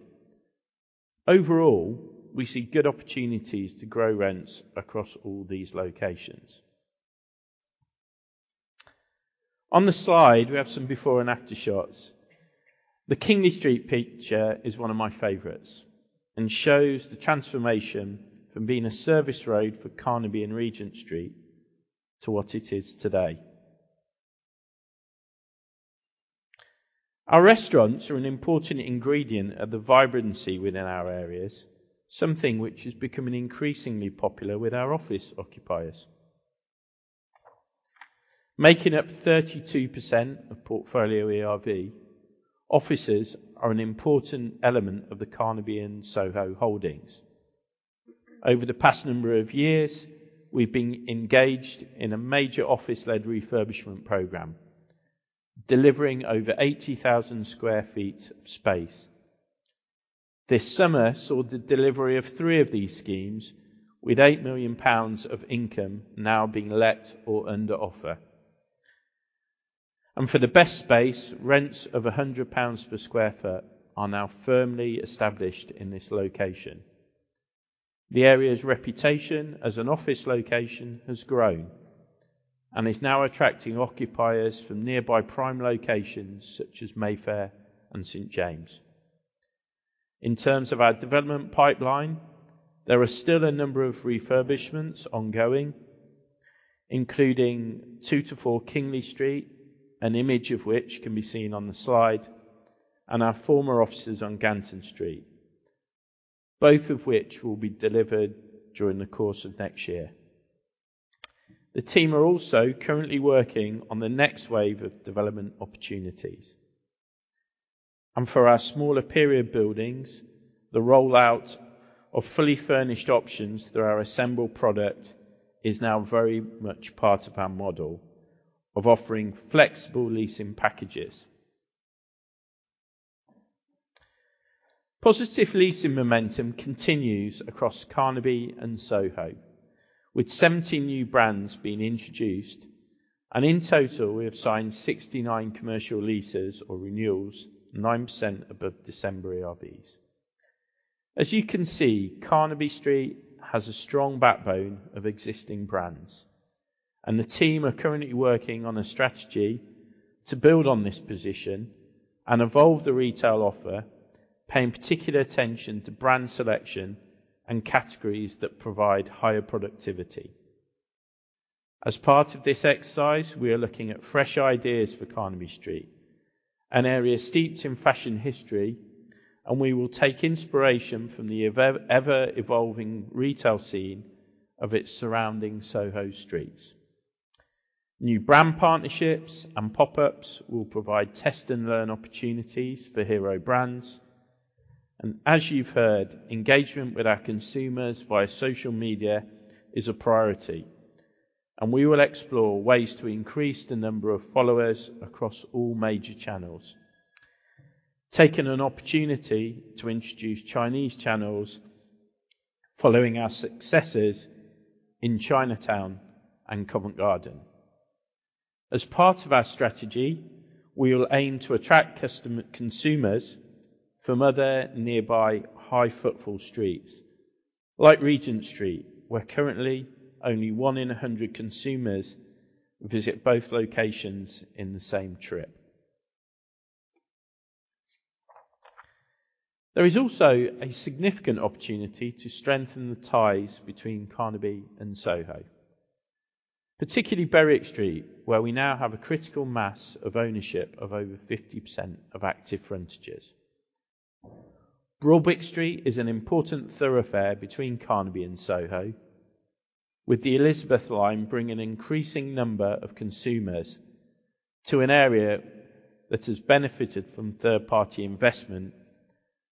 Overall, we see good opportunities to grow rents across all these locations. On the slide, we have some before and after shots. The Kingly Street picture is one of my favorites and shows the transformation from being a service road for Carnaby in Regent Street to what it is today. Our restaurants are an important ingredient of the vibrancy within our areas, something which is becoming increasingly popular with our office occupiers. Making up 32% of portfolio ERV, offices are an important element of the Carnaby in Soho holdings. Over the past number of years, we've been engaged in a major office-led refurbishment program, delivering over 80,000 sq ft of space. This summer saw the delivery of three of these schemes, with 8 million pounds of income now being let or under offer. For the best space, rents of 100 pounds per sq ft are now firmly established in this location. The area's reputation as an office location has grown and is now attracting occupiers from nearby prime locations, such as Mayfair and St. James's. In terms of our development pipeline, there are still a number of refurbishments ongoing, including two to four Kingly Street, an image of which can be seen on the slide, and our former offices on Ganton Street, both of which will be delivered during the course of next year. The team are also currently working on the next wave of development opportunities. For our smaller period buildings, the rollout of fully furnished options through our assembled product is now very much part of our model of offering flexible leasing packages. Positive leasing momentum continues across Carnaby and Soho, with 70 new brands being introduced, and in total, we have signed 69 commercial leases or renewals, 9% above December ERVs. As you can see, Carnaby Street has a strong backbone of existing brands, and the team are currently working on a strategy to build on this position and evolve the retail offer, paying particular attention to brand selection and categories that provide higher productivity. As part of this exercise, we are looking at fresh ideas for Carnaby Street, an area steeped in fashion history, and we will take inspiration from the ever-evolving retail scene of its surrounding Soho streets. New brand partnerships and pop-ups will provide test-and-learn opportunities for hero brands. And as you've heard, engagement with our consumers via social media is a priority, and we will explore ways to increase the number of followers across all major channels.... taken an opportunity to introduce Chinese channels following our successes in Chinatown and Covent Garden. As part of our strategy, we will aim to attract customer- consumers from other nearby high footfall streets, like Regent Street, where currently only one in a hundred consumers visit both locations in the same trip. There is also a significant opportunity to strengthen the ties between Carnaby and Soho, particularly Berwick Street, where we now have a critical mass of ownership of over 50% of active frontages. Broadwick Street is an important thoroughfare between Carnaby and Soho, with the Elizabeth line bringing an increasing number of consumers to an area that has benefited from third-party investment,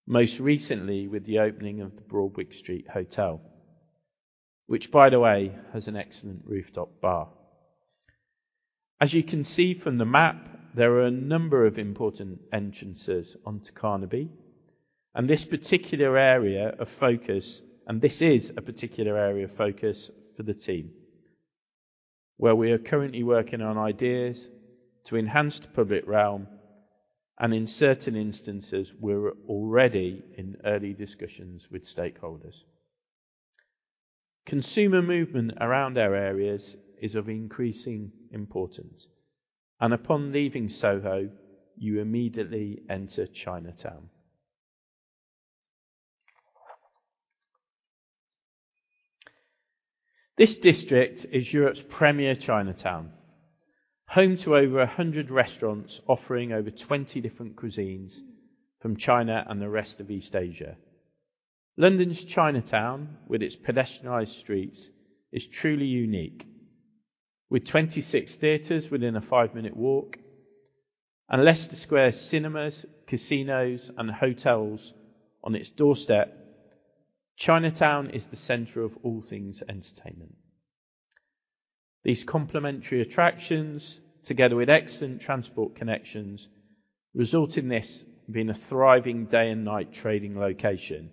most recently with the opening of the Broadwick Street Hotel, which, by the way, has an excellent rooftop bar. As you can see from the map, there are a number of important entrances onto Carnaby, and this particular area of focus, and this is a particular area of focus for the team, where we are currently working on ideas to enhance the public realm, and in certain instances, we're already in early discussions with stakeholders. Consumer movement around our areas is of increasing importance, and upon leaving Soho, you immediately enter Chinatown. This district is Europe's premier Chinatown, home to over 100 restaurants offering over 20 different cuisines from China and the rest of East Asia. London's Chinatown, with its pedestrianized streets, is truly unique. With 26 theaters within a five-minute walk, and Leicester Square cinemas, casinos and hotels on its doorstep, Chinatown is the center of all things entertainment. These complimentary attractions, together with excellent transport connections, result in this being a thriving day and night trading location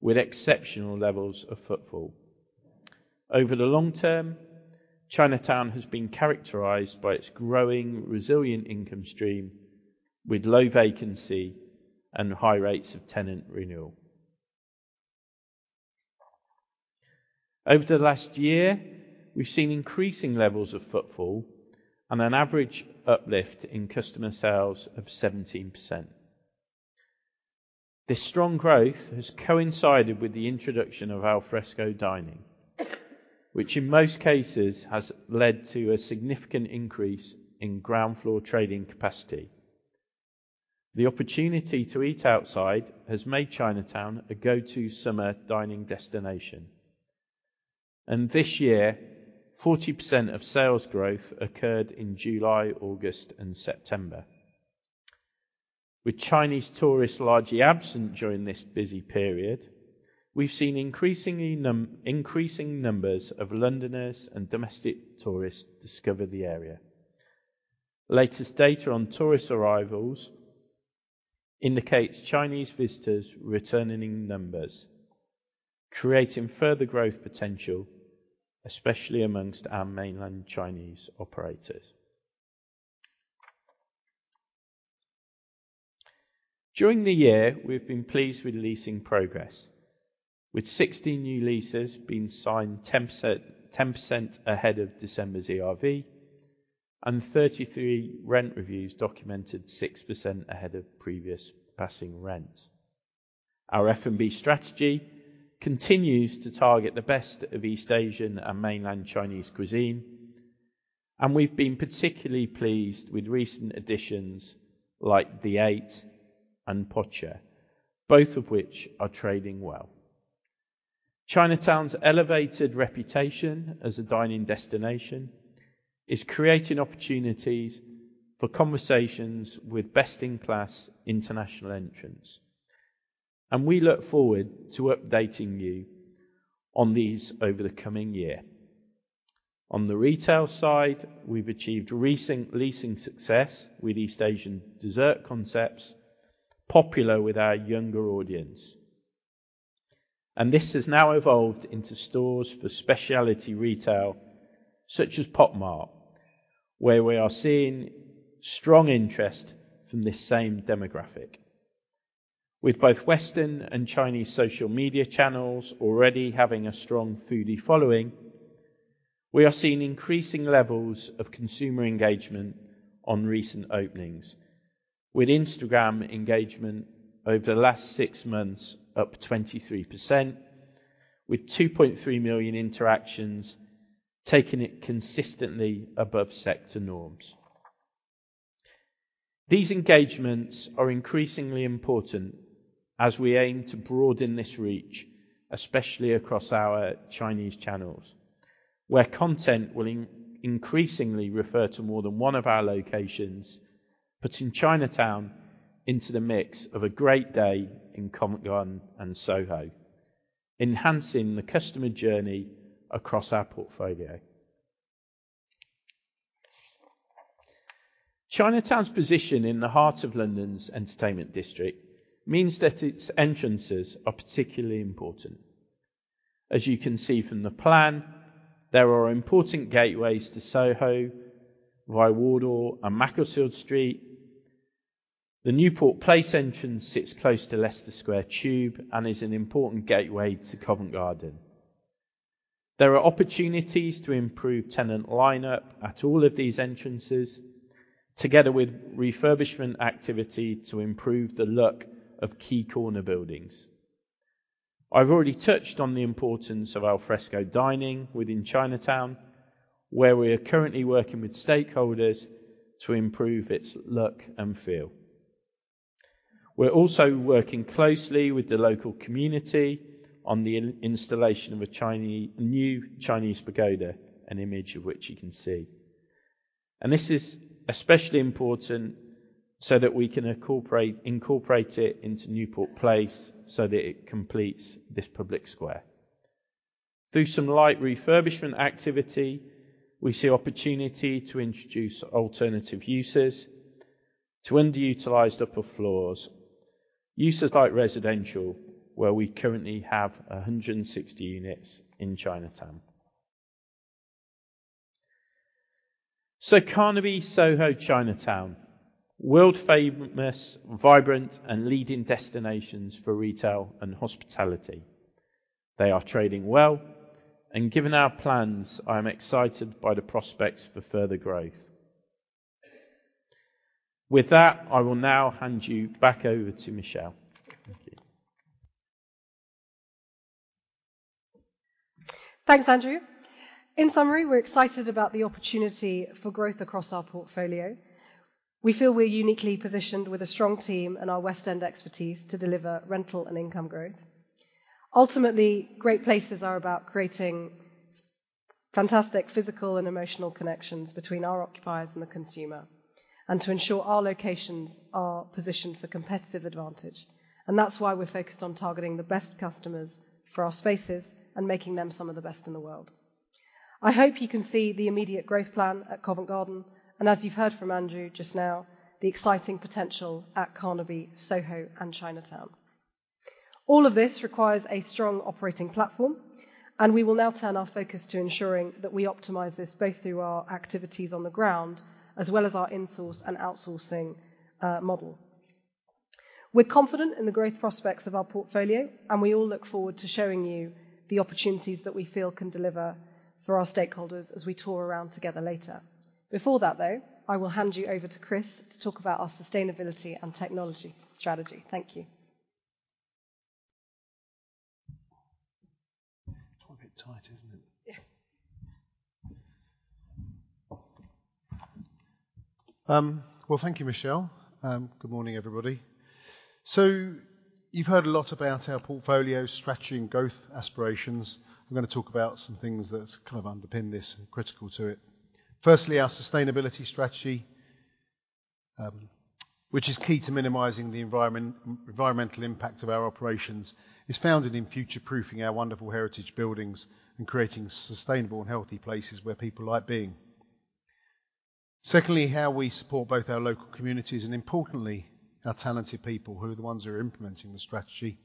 with exceptional levels of footfall. Over the long term, Chinatown has been characterized by its growing, resilient income stream, with low vacancy and high rates of tenant renewal. Over the last year, we've seen increasing levels of footfall and an average uplift in customer sales of 17%. This strong growth has coincided with the introduction of al fresco dining, which in most cases, has led to a significant increase in ground floor trading capacity. The opportunity to eat outside has made Chinatown a go-to summer dining destination, and this year, 40% of sales growth occurred in July, August, and September. With Chinese tourists largely absent during this busy period, we've seen increasing numbers of Londoners and domestic tourists discover the area. Latest data on tourist arrivals indicates Chinese visitors returning in numbers, creating further growth potential, especially amongst our mainland Chinese operators. During the year, we've been pleased with leasing progress, with 60 new leases being signed 10% ahead of December's ERV, and 33 rent reviews documented 6% ahead of previous passing rents. Our F&B strategy continues to target the best of East Asian and mainland Chinese cuisine, and we've been particularly pleased with recent additions like The Eight and Pocha, both of which are trading well. Chinatown's elevated reputation as a dining destination is creating opportunities for conversations with best-in-class international entrants, and we look forward to updating you on these over the coming year. On the retail side, we've achieved leasing success with East Asian dessert concepts, popular with our younger audience. This has now evolved into stores for specialty retail, such as Pop Mart, where we are seeing strong interest from this same demographic. With both Western and Chinese social media channels already having a strong foodie following, we are seeing increasing levels of consumer engagement on recent openings, with Instagram engagement over the last six months up 23%, with 2.3 million interactions, taking it consistently above sector norms. These engagements are increasingly important as we aim to broaden this reach, especially across our Chinese channels, where content will increasingly refer to more than one of our locations, putting Chinatown into the mix of a great day in Covent Garden and Soho, enhancing the customer journey across our portfolio. Chinatown's position in the heart of London's entertainment district means that its entrances are particularly important. As you can see from the plan, there are important gateways to Soho, Wardour Street, and Macclesfield Street. The Newport Place entrance sits close to Leicester Square Tube and is an important gateway to Covent Garden. There are opportunities to improve tenant lineup at all of these entrances, together with refurbishment activity to improve the look of key corner buildings. I've already touched on the importance of al fresco dining within Chinatown, where we are currently working with stakeholders to improve its look and feel. We're also working closely with the local community on the installation of a new Chinese pagoda, an image of which you can see. This is especially important so that we can incorporate it into Newport Place, so that it completes this public square. Through some light refurbishment activity, we see opportunity to introduce alternative uses to underutilized upper floors, uses like residential, where we currently have 160 units in Chinatown. Carnaby, Soho, Chinatown, world-famous, vibrant, and leading destinations for retail and hospitality. They are trading well, and given our plans, I am excited by the prospects for further growth. With that, I will now hand you back over to Michelle. Thank you. Thanks, Andrew. In summary, we're excited about the opportunity for growth across our portfolio. We feel we're uniquely positioned with a strong team and our West End expertise to deliver rental and income growth. Ultimately, great places are about creating fantastic physical and emotional connections between our occupiers and the consumer, and to ensure our locations are positioned for competitive advantage. And that's why we're focused on targeting the best customers for our spaces and making them some of the best in the world. I hope you can see the immediate growth plan at Covent Garden, and as you've heard from Andrew just now, the exciting potential at Carnaby, Soho, and Chinatown. All of this requires a strong operating platform, and we will now turn our focus to ensuring that we optimize this both through our activities on the ground, as well as our in-source and outsourcing model. We're confident in the growth prospects of our portfolio, and we all look forward to showing you the opportunities that we feel can deliver for our stakeholders as we tour around together later. Before that, though, I will hand you over to Chris to talk about our sustainability and technology strategy. Thank you. It's a bit tight, isn't it? Yeah. Well, thank you, Michelle. Good morning, everybody. So you've heard a lot about our portfolio strategy and growth aspirations. I'm gonna talk about some things that kind of underpin this, critical to it. Firstly, our sustainability strategy, which is key to minimizing the environment, environmental impact of our operations, is founded in future-proofing our wonderful heritage buildings and creating sustainable and healthy places where people like being. Secondly, how we support both our local communities and, importantly, our talented people, who are the ones who are implementing the strategy.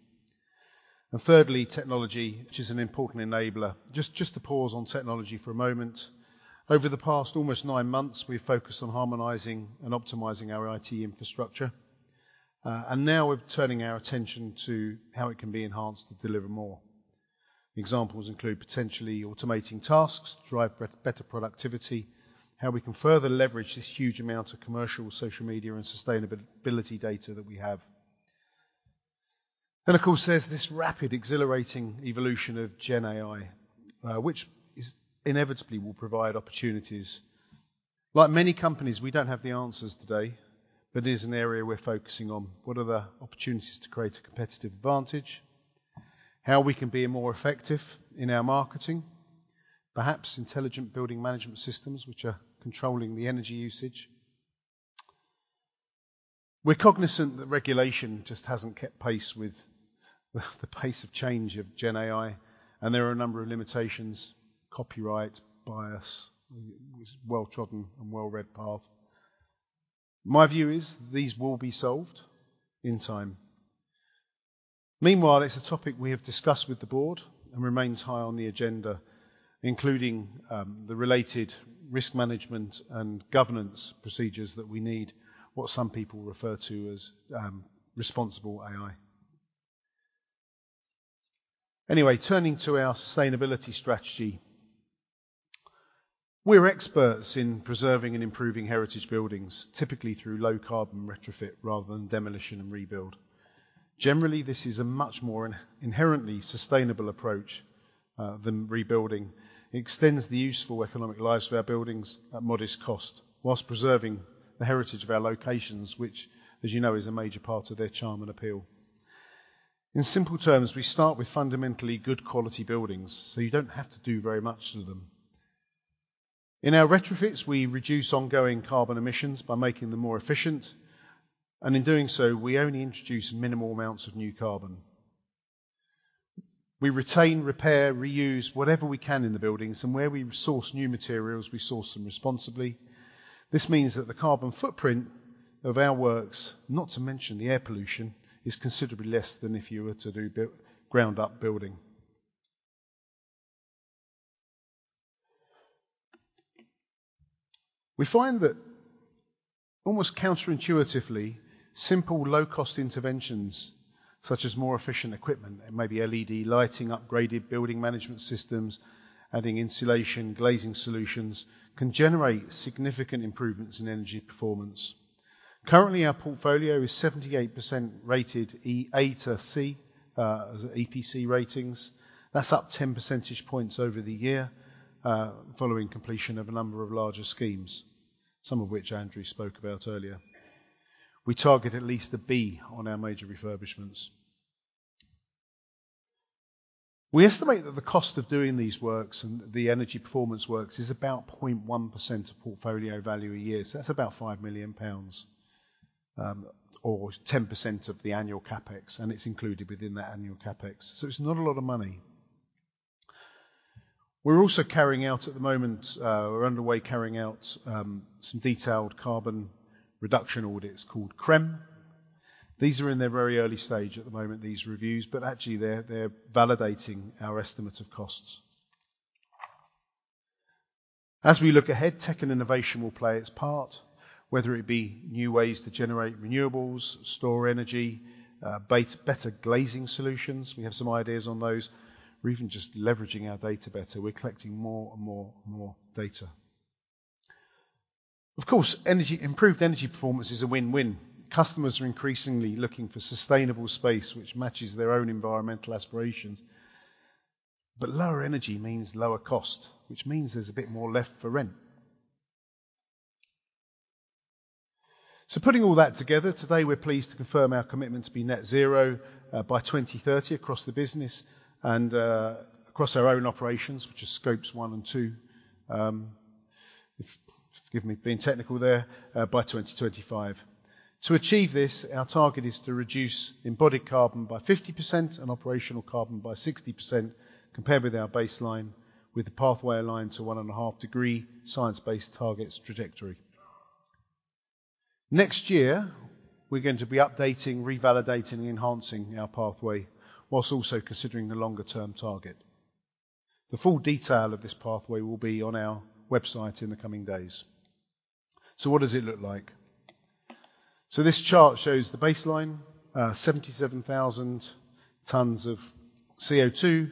And thirdly, technology, which is an important enabler. Just, just to pause on technology for a moment. Over the past almost nine months, we've focused on harmonizing and optimizing our IT infrastructure, and now we're turning our attention to how it can be enhanced to deliver more. Examples include potentially automating tasks to drive better productivity, how we can further leverage this huge amount of commercial, social media, and sustainability data that we have. Then, of course, there's this rapid, exhilarating evolution of Gen AI, which is inevitably will provide opportunities. Like many companies, we don't have the answers today, but it is an area we're focusing on. What are the opportunities to create a competitive advantage? How we can be more effective in our marketing. Perhaps intelligent building management systems, which are controlling the energy usage. We're cognizant that regulation just hasn't kept pace with the pace of change of Gen AI, and there are a number of limitations, copyright, bias, well-trodden and well-read path. My view is these will be solved in time. Meanwhile, it's a topic we have discussed with the board and remains high on the agenda, including the related risk management and governance procedures that we need. What some people refer to as responsible AI. Anyway, turning to our sustainability strategy. We're experts in preserving and improving heritage buildings, typically through low-carbon retrofit rather than demolition and rebuild. Generally, this is a much more inherently sustainable approach than rebuilding. It extends the useful economic lives of our buildings at modest cost, while preserving the heritage of our locations, which, as you know, is a major part of their charm and appeal. In simple terms, we start with fundamentally good quality buildings, so you don't have to do very much to them. In our retrofits, we reduce ongoing carbon emissions by making them more efficient, and in doing so, we only introduce minimal amounts of new carbon... We retain, repair, reuse whatever we can in the buildings, and where we source new materials, we source them responsibly. This means that the carbon footprint of our works, not to mention the air pollution, is considerably less than if you were to do ground-up building. We find that almost counterintuitively, simple, low-cost interventions, such as more efficient equipment and maybe LED lighting, upgraded building management systems, adding insulation, glazing solutions, can generate significant improvements in energy performance. Currently, our portfolio is 78% rated E to C as EPC ratings. That's up 10 percentage points over the year following completion of a number of larger schemes, some of which Andrew spoke about earlier. We target at least a B on our major refurbishments. We estimate that the cost of doing these works and the energy performance works is about 0.1% of portfolio value a year. So that's about 5 million pounds, or 10% of the annual CapEx, and it's included within that annual CapEx. So it's not a lot of money. We're also carrying out at the moment. We're underway carrying out some detailed carbon reduction audits called CRREM. These are in their very early stage at the moment, these reviews, but actually they're validating our estimate of costs. As we look ahead, tech and innovation will play its part, whether it be new ways to generate renewables, store energy, or better glazing solutions, we have some ideas on those, or even just leveraging our data better. We're collecting more and more data. Of course, energy... Improved energy performance is a win-win. Customers are increasingly looking for sustainable space, which matches their own environmental aspirations. But lower energy means lower cost, which means there's a bit more left for rent. So putting all that together, today, we're pleased to confirm our commitment to be net zero by 2030 across the business and across our own operations, which are Scope one and two, forgive me being technical there, by 2025. To achieve this, our target is to reduce embodied carbon by 50% and operational carbon by 60% compared with our baseline, with a pathway aligned to 1.5-degree science-based targets trajectory. Next year, we're going to be updating, revalidating, and enhancing our pathway, while also considering the longer-term target. The full detail of this pathway will be on our website in the coming days. So what does it look like? So this chart shows the baseline, 77,000 tons of CO2,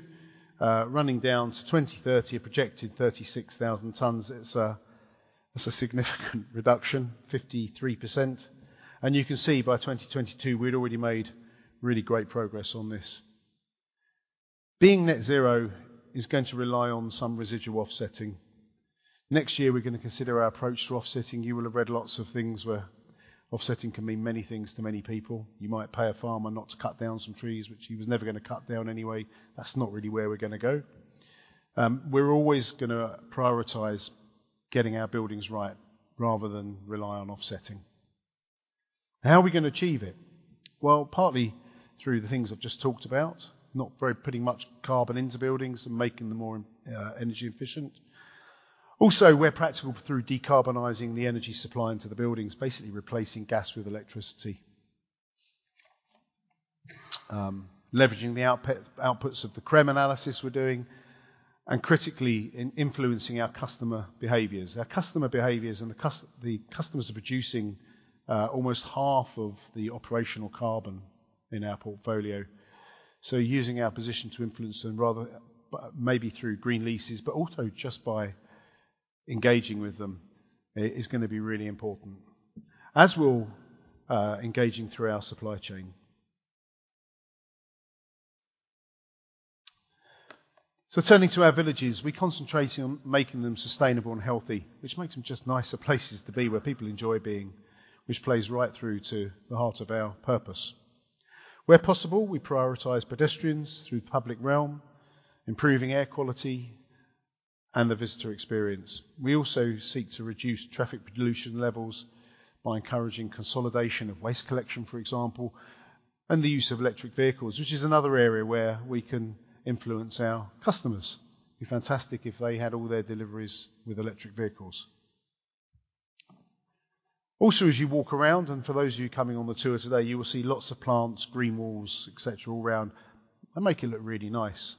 running down to 2030, a projected 36,000 tons. It's a, that's a significant reduction, 53%. And you can see by 2022, we'd already made really great progress on this. Being net zero is going to rely on some residual offsetting. Next year, we're gonna consider our approach to offsetting. You will have read lots of things where offsetting can mean many things to many people. You might pay a farmer not to cut down some trees, which he was never gonna cut down anyway. That's not really where we're gonna go. We're always gonna prioritize getting our buildings right rather than rely on offsetting. How are we gonna achieve it? Well, partly through the things I've just talked about, not very putting much carbon into buildings and making them more energy efficient. Also, where practical, through decarbonizing the energy supply into the buildings, basically replacing gas with electricity. Leveraging the outputs of the CREM analysis we're doing, and critically, in influencing our customer behaviors. Our customer behaviors and the customers are producing almost half of the operational carbon in our portfolio. So using our position to influence them, rather, maybe through green leases, but also just by engaging with them, is gonna be really important, as we're engaging through our supply chain. So turning to our villages, we're concentrating on making them sustainable and healthy, which makes them just nicer places to be, where people enjoy being, which plays right through to the heart of our purpose. Where possible, we prioritize pedestrians through public realm, improving air quality and the visitor experience. We also seek to reduce traffic pollution levels by encouraging consolidation of waste collection, for example, and the use of electric vehicles, which is another area where we can influence our customers. It'd be fantastic if they had all their deliveries with electric vehicles. Also, as you walk around, and for those of you coming on the tour today, you will see lots of plants, green walls, et cetera, all around. They make it look really nice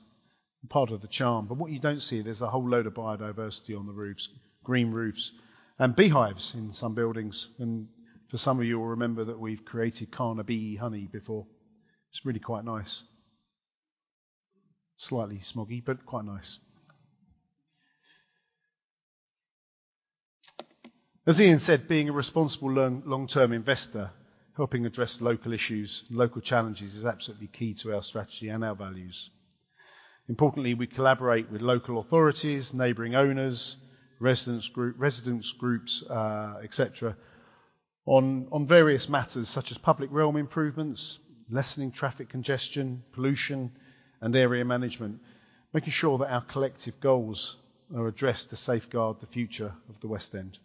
and part of the charm. But what you don't see, there's a whole load of biodiversity on the roofs, green roofs and beehives in some buildings. And for some of you will remember that we've created Carnaby Honey before. It's really quite nice. Slightly smoggy, but quite nice. As Ian said, being a responsible long, long-term investor, helping address local issues, local challenges, is absolutely key to our strategy and our values. Importantly, we collaborate with local authorities, neighboring owners, residents groups, et cetera, on various matters, such as public realm improvements, lessening traffic congestion, pollution, and area management, making sure that our collective goals are addressed to safeguard the future of the West End.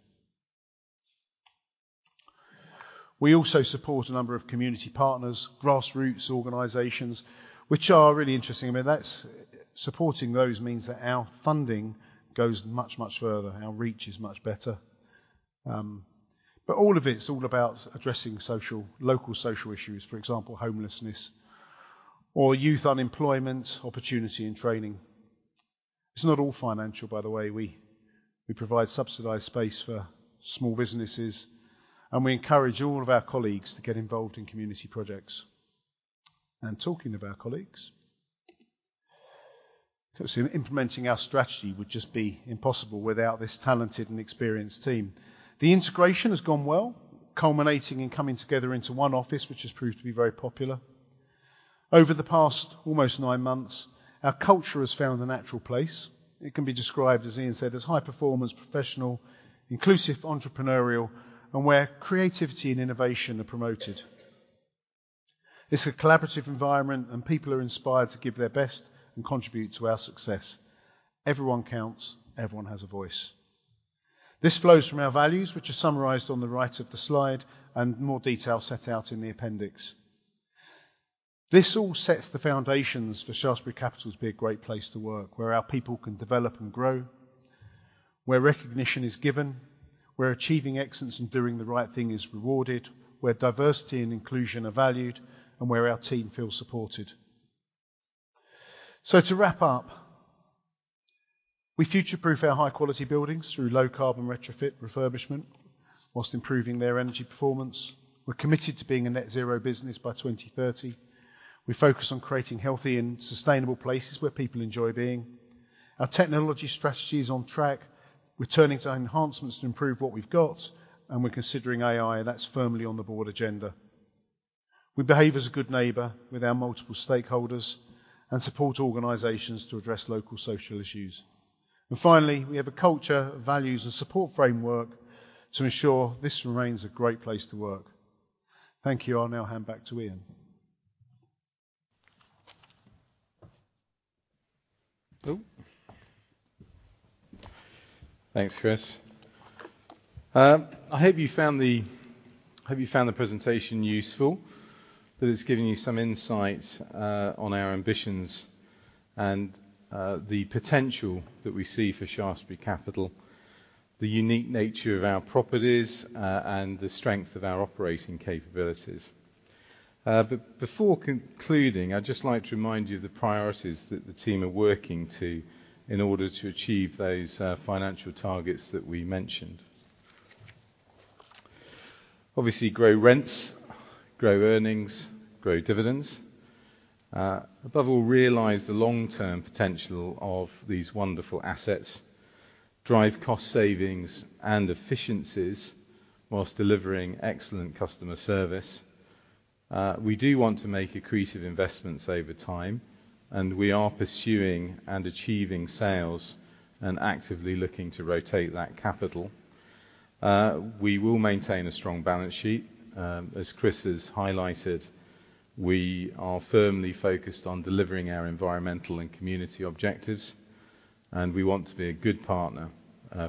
We also support a number of community partners, grassroots organizations, which are really interesting. I mean, that's supporting those means that our funding goes much, much further. Our reach is much better. But all of it's all about addressing social, local social issues, for example, homelessness or youth unemployment, opportunity and training. It's not all financial, by the way. We provide subsidized space for small businesses, and we encourage all of our colleagues to get involved in community projects. Talking of our colleagues, implementing our strategy would just be impossible without this talented and experienced team. The integration has gone well, culminating in coming together into one office, which has proved to be very popular. Over the past almost nine months, our culture has found a natural place. It can be described, as Ian said, as high performance, professional, inclusive, entrepreneurial, and where creativity and innovation are promoted. It's a collaborative environment, and people are inspired to give their best and contribute to our success. Everyone counts, everyone has a voice. This flows from our values, which are summarized on the right of the slide and more detail set out in the appendix. This all sets the foundations for Shaftesbury Capital to be a great place to work, where our people can develop and grow, where recognition is given, where achieving excellence and doing the right thing is rewarded, where diversity and inclusion are valued, and where our team feels supported. So to wrap up, we future-proof our high-quality buildings through low-carbon retrofit refurbishment while improving their energy performance. We're committed to being a net zero business by 2030. We focus on creating healthy and sustainable places where people enjoy being. Our technology strategy is on track. We're turning to enhancements to improve what we've got, and we're considering AI, and that's firmly on the board agenda. We behave as a good neighbor with our multiple stakeholders and support organizations to address local social issues. And finally, we have a culture of values and support framework to ensure this remains a great place to work. Thank you. I'll now hand back to Ian. Oh. Thanks, Chris. I hope you found the presentation useful, that it's given you some insight on our ambitions and the potential that we see for Shaftesbury Capital, the unique nature of our properties, and the strength of our operating capabilities. But before concluding, I'd just like to remind you of the priorities that the team are working to in order to achieve those financial targets that we mentioned. Obviously, grow rents, grow earnings, grow dividends. Above all, realize the long-term potential of these wonderful assets, drive cost savings and efficiencies whilst delivering excellent customer service. We do want to make accretive investments over time, and we are pursuing and achieving sales and actively looking to rotate that capital. We will maintain a strong balance sheet. As Chris has highlighted, we are firmly focused on delivering our environmental and community objectives, and we want to be a good partner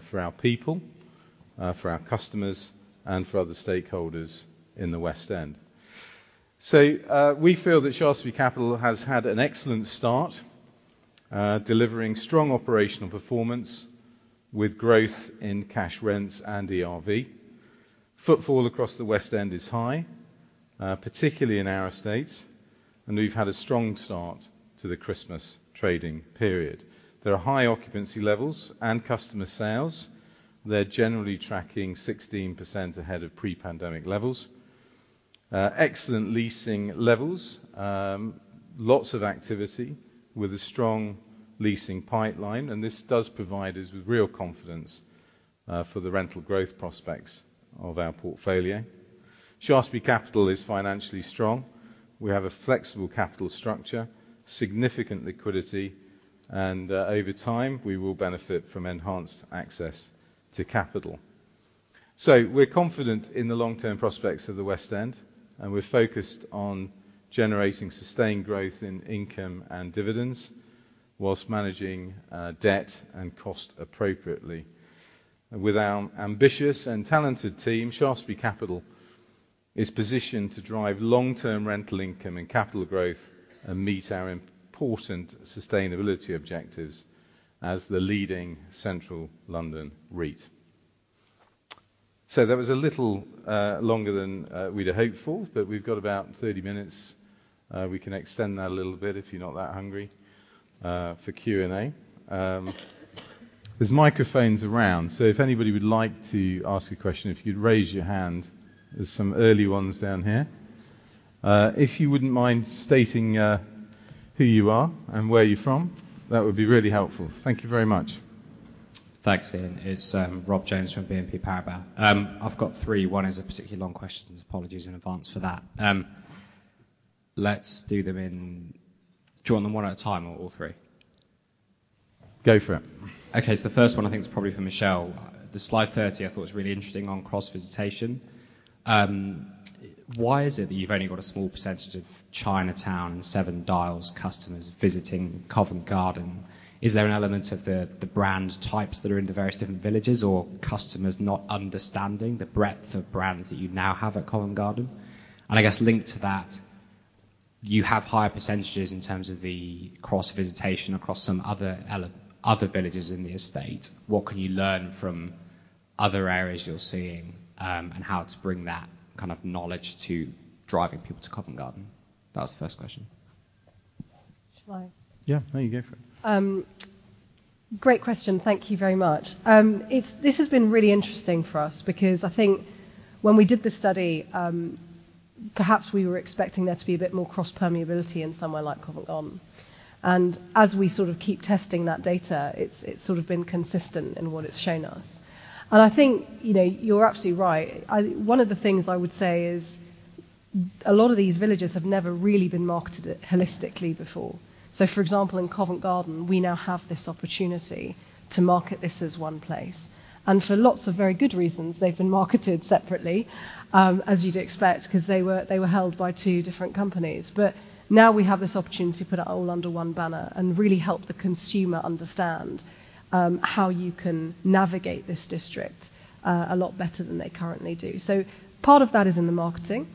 for our people, for our customers, and for other stakeholders in the West End. We feel that Shaftesbury Capital has had an excellent start delivering strong operational performance with growth in cash rents and ERV. Footfall across the West End is high, particularly in our estates, and we've had a strong start to the Christmas trading period. There are high occupancy levels and customer sales. They're generally tracking 16% ahead of pre-pandemic levels. Excellent leasing levels, lots of activity with a strong leasing pipeline, and this does provide us with real confidence for the rental growth prospects of our portfolio. Shaftesbury Capital is financially strong. We have a flexible capital structure, significant liquidity, and over time, we will benefit from enhanced access to capital. So we're confident in the long-term prospects of the West End, and we're focused on generating sustained growth in income and dividends whilst managing debt and cost appropriately. With our ambitious and talented team, Shaftesbury Capital is positioned to drive long-term rental income and capital growth and meet our important sustainability objectives as the leading Central London REIT. So that was a little longer than we'd hoped for, but we've got about 30 minutes. We can extend that a little bit if you're not that hungry for Q&A. There's microphones around, so if anybody would like to ask a question, if you'd raise your hand. There's some early ones down here. If you wouldn't mind stating who you are and where you're from, that would be really helpful. Thank you very much. Thanks, Ian. It's, Rob Jones from BNP Paribas. I've got three. One is a particularly long question, apologies in advance for that. Let's do them in... Do you want them one at a time or all three? Go for it. Okay, so the first one I think is probably for Michelle. The slide 30, I thought was really interesting on cross-visitation.... why is it that you've only got a small percentage of Chinatown and Seven Dials customers visiting Covent Garden? Is there an element of the brand types that are in the various different villages or customers not understanding the breadth of brands that you now have at Covent Garden? And I guess linked to that, you have higher percentages in terms of the cross-visitation across some other villages in the estate. What can you learn from other areas you're seeing, and how to bring that kind of knowledge to driving people to Covent Garden? That was the first question. Shall I? Yeah. No, you go for it. Great question. Thank you very much. It's, this has been really interesting for us because I think when we did this study, perhaps we were expecting there to be a bit more cross-permeability in somewhere like Covent Garden. And as we sort of keep testing that data, it's, it's sort of been consistent in what it's shown us. And I think, you know, you're absolutely right. I, one of the things I would say is, a lot of these villages have never really been marketed holistically before. So, for example, in Covent Garden, we now have this opportunity to market this as one place. And for lots of very good reasons, they've been marketed separately, as you'd expect, 'cause they were, they were held by two different companies. But now we have this opportunity to put it all under one banner and really help the consumer understand how you can navigate this district a lot better than they currently do. So part of that is in the marketing.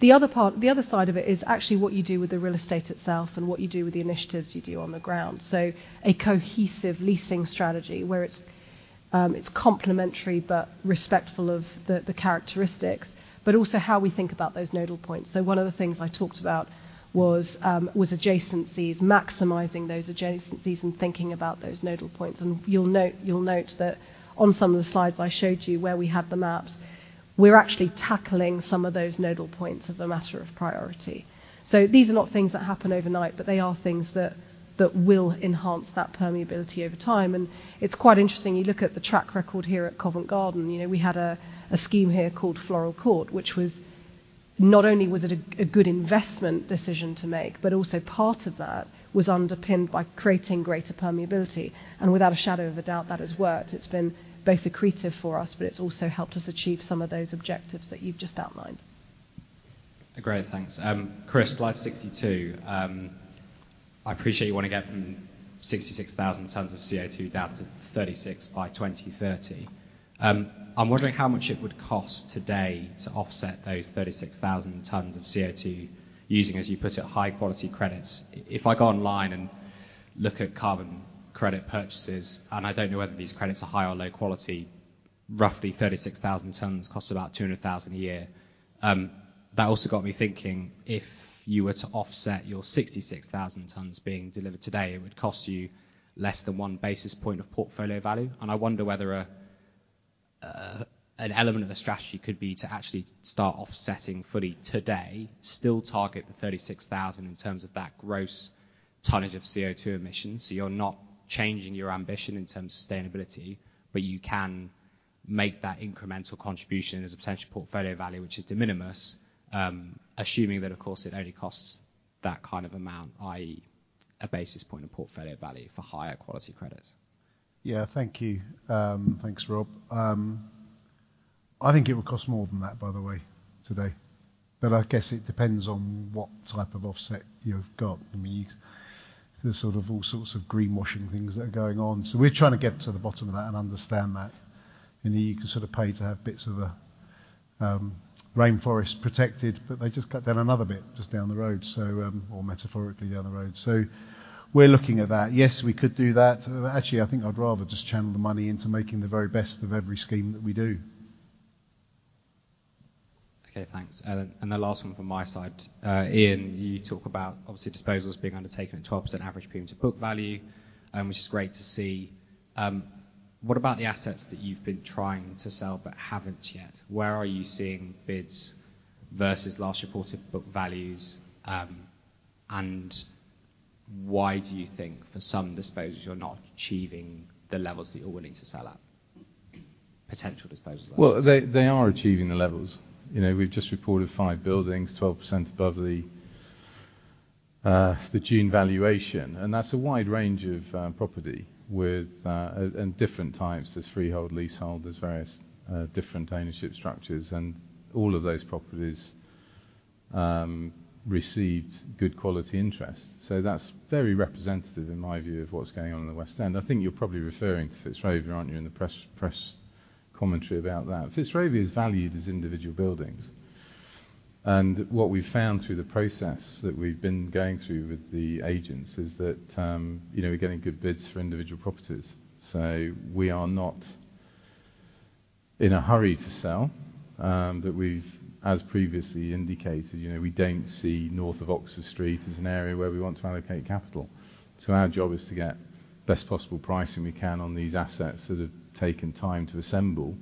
The other part. The other side of it is actually what you do with the real estate itself and what you do with the initiatives you do on the ground. So a cohesive leasing strategy where it's it's complementary but respectful of the characteristics, but also how we think about those nodal points. So one of the things I talked about was was adjacencies, maximizing those adjacencies and thinking about those nodal points. And you'll note, you'll note that on some of the slides I showed you where we had the maps, we're actually tackling some of those nodal points as a matter of priority. These are not things that happen overnight, but they are things that will enhance that permeability over time. It's quite interesting. You look at the track record here at Covent Garden, you know, we had a scheme here called Floral Court, which was not only a good investment decision to make, but also part of that was underpinned by creating greater permeability, and without a shadow of a doubt, that has worked. It's been both accretive for us, but it's also helped us achieve some of those objectives that you've just outlined. Great, thanks. Chris, slide 62. I appreciate you wanna get from 66,000 tons of CO2 down to 36 by 2030. I'm wondering how much it would cost today to offset those 36,000 tons of CO2 using, as you put it, high-quality credits. If I go online and look at carbon credit purchases, and I don't know whether these credits are high or low quality, roughly 36,000 tons costs about 200,000 a year. That also got me thinking, if you were to offset your 66,000 tons being delivered today, it would cost you less than 1 basis point of portfolio value. And I wonder whether a, a, an element of the strategy could be to actually start offsetting fully today, still target the 36,000 in terms of that gross tonnage of CO2 emissions. So you're not changing your ambition in terms of sustainability, but you can make that incremental contribution as a potential portfolio value, which is de minimis, assuming that, of course, it only costs that kind of amount, i.e., a basis point of portfolio value for higher quality credits. Yeah. Thank you. Thanks, Rob. I think it would cost more than that, by the way, today. But I guess it depends on what type of offset you've got. I mean, there's sort of all sorts of greenwashing things that are going on, so we're trying to get to the bottom of that and understand that. You know, you can sort of pay to have bits of a rainforest protected, but they just cut down another bit just down the road, so... or metaphorically down the road. So we're looking at that. Yes, we could do that. Actually, I think I'd rather just channel the money into making the very best of every scheme that we do. Okay, thanks. And the last one from my side. Ian, you talk about obviously disposals being undertaken at 12% average premium to book value, which is great to see. What about the assets that you've been trying to sell but haven't yet? Where are you seeing bids versus last reported book values? And why do you think for some disposals, you're not achieving the levels that you're willing to sell at, potential disposals, that is? Well, they, they are achieving the levels. You know, we've just reported five buildings, 12% above the, the June valuation, and that's a wide range of, property with, and different types. There's freehold, leasehold, there's various, different ownership structures, and all of those properties, received good quality interest. So that's very representative, in my view, of what's going on in the West End. I think you're probably referring to Fitzrovia, aren't you, in the press, press commentary about that? Fitzrovia is valued as individual buildings, and what we've found through the process that we've been going through with the agents is that, you know, we're getting good bids for individual properties. So we are not in a hurry to sell. But we've, as previously indicated, you know, we don't see north of Oxford Street as an area where we want to allocate capital. So our job is to get best possible pricing we can on these assets that have taken time to assemble,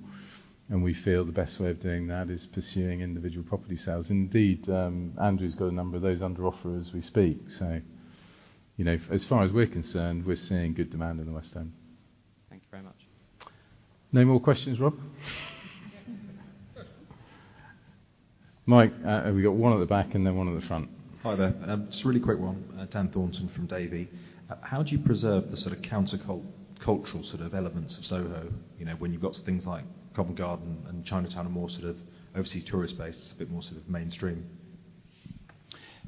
and we feel the best way of doing that is pursuing individual property sales. Indeed, Andrew's got a number of those under offer as we speak. So, you know, as far as we're concerned, we're seeing good demand in the West End. Thank you very much. No more questions, Rob? Mike, we've got one at the back and then one at the front. Hi there. Just a really quick one. Dan Thornton from Davy. How do you preserve the sort of countercultural sort of elements of Soho? You know, when you've got things like Covent Garden and Chinatown are more sort of overseas tourist-based, it's a bit more sort of mainstream....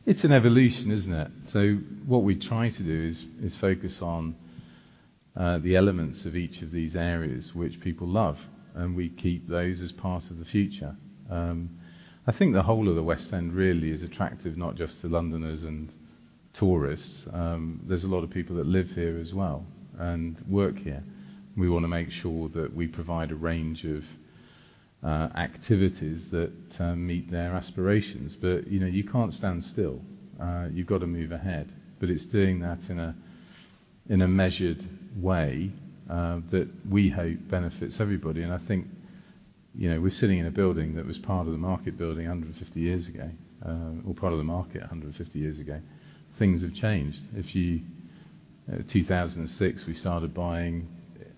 It's an evolution, isn't it? So what we try to do is focus on the elements of each of these areas which people love, and we keep those as part of the future. I think the whole of the West End really is attractive, not just to Londoners and tourists. There's a lot of people that live here as well and work here. We wanna make sure that we provide a range of activities that meet their aspirations. But, you know, you can't stand still, you've got to move ahead. But it's doing that in a measured way that we hope benefits everybody. And I think, you know, we're sitting in a building that was part of the market building 150 years ago, or part of the market 150 years ago. Things have changed. In 2006, we started buying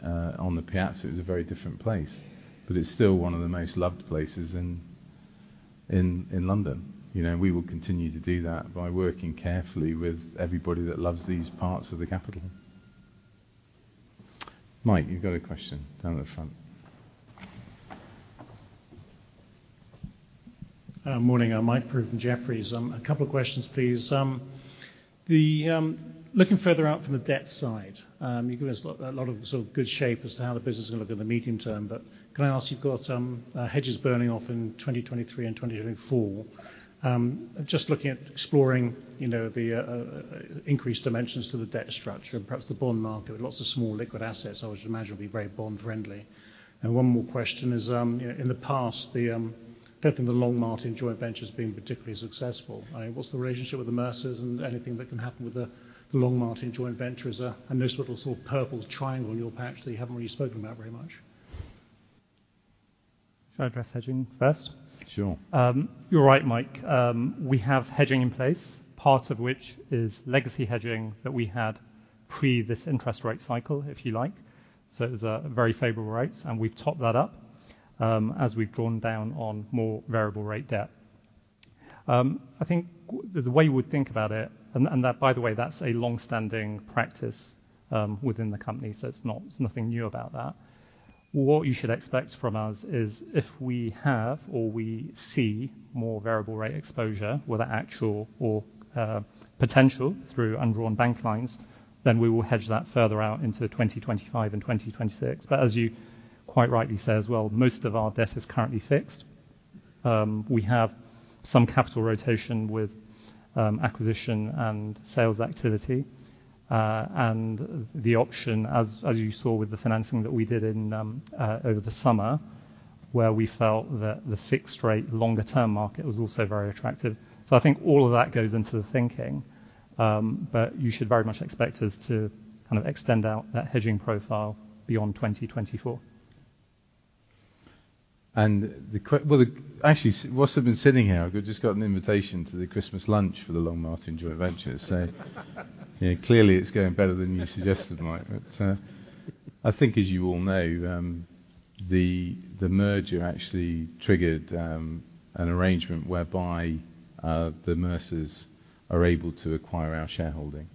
on the Piazza. It was a very different place, but it's still one of the most loved places in London. You know, we will continue to do that by working carefully with everybody that loves these parts of the capital. Mike, you've got a question down the front. Morning. I'm Mike Prew from Jefferies. A couple of questions, please. Looking further out from the debt side, you've given us a lot, a lot of sort of good shape as to how the business is gonna look in the medium term, but can I ask, you've got hedges burning off in 2023 and 2024. Just looking at exploring, you know, the increased dimensions to the debt structure and perhaps the bond market with lots of small liquid assets, I would imagine, would be very bond-friendly. And one more question is, you know, in the past, I don't think the Longmartin joint venture has been particularly successful. What's the relationship with the Mercers' and anything that can happen with the Longmartin joint venture as a nice little sort of purple triangle on your patch that you haven't really spoken about very much? Shall I address hedging first? Sure. You're right, Mike. We have hedging in place, part of which is legacy hedging that we had pre this interest rate cycle, if you like. So it was very favorable rates, and we've topped that up, as we've drawn down on more variable rate debt. I think the way you would think about it, and that, by the way, that's a long-standing practice within the company, so it's not, there's nothing new about that. What you should expect from us is if we have or we see more variable rate exposure, whether actual or potential through undrawn bank lines, then we will hedge that further out into 2025 and 2026. But as you quite rightly say as well, most of our debt is currently fixed. We have some capital rotation with acquisition and sales activity. And the option, as you saw with the financing that we did in over the summer, where we felt that the fixed rate, longer-term market was also very attractive. So I think all of that goes into the thinking, but you should very much expect us to kind of extend out that hedging profile beyond 2024. Well, actually, whilst I've been sitting here, I've just got an invitation to the Christmas lunch for the Longmartin joint venture, so clearly, it's going better than you suggested, Mike. But I think, as you all know, the merger actually triggered an arrangement whereby the Mercers' are able to acquire our shareholding.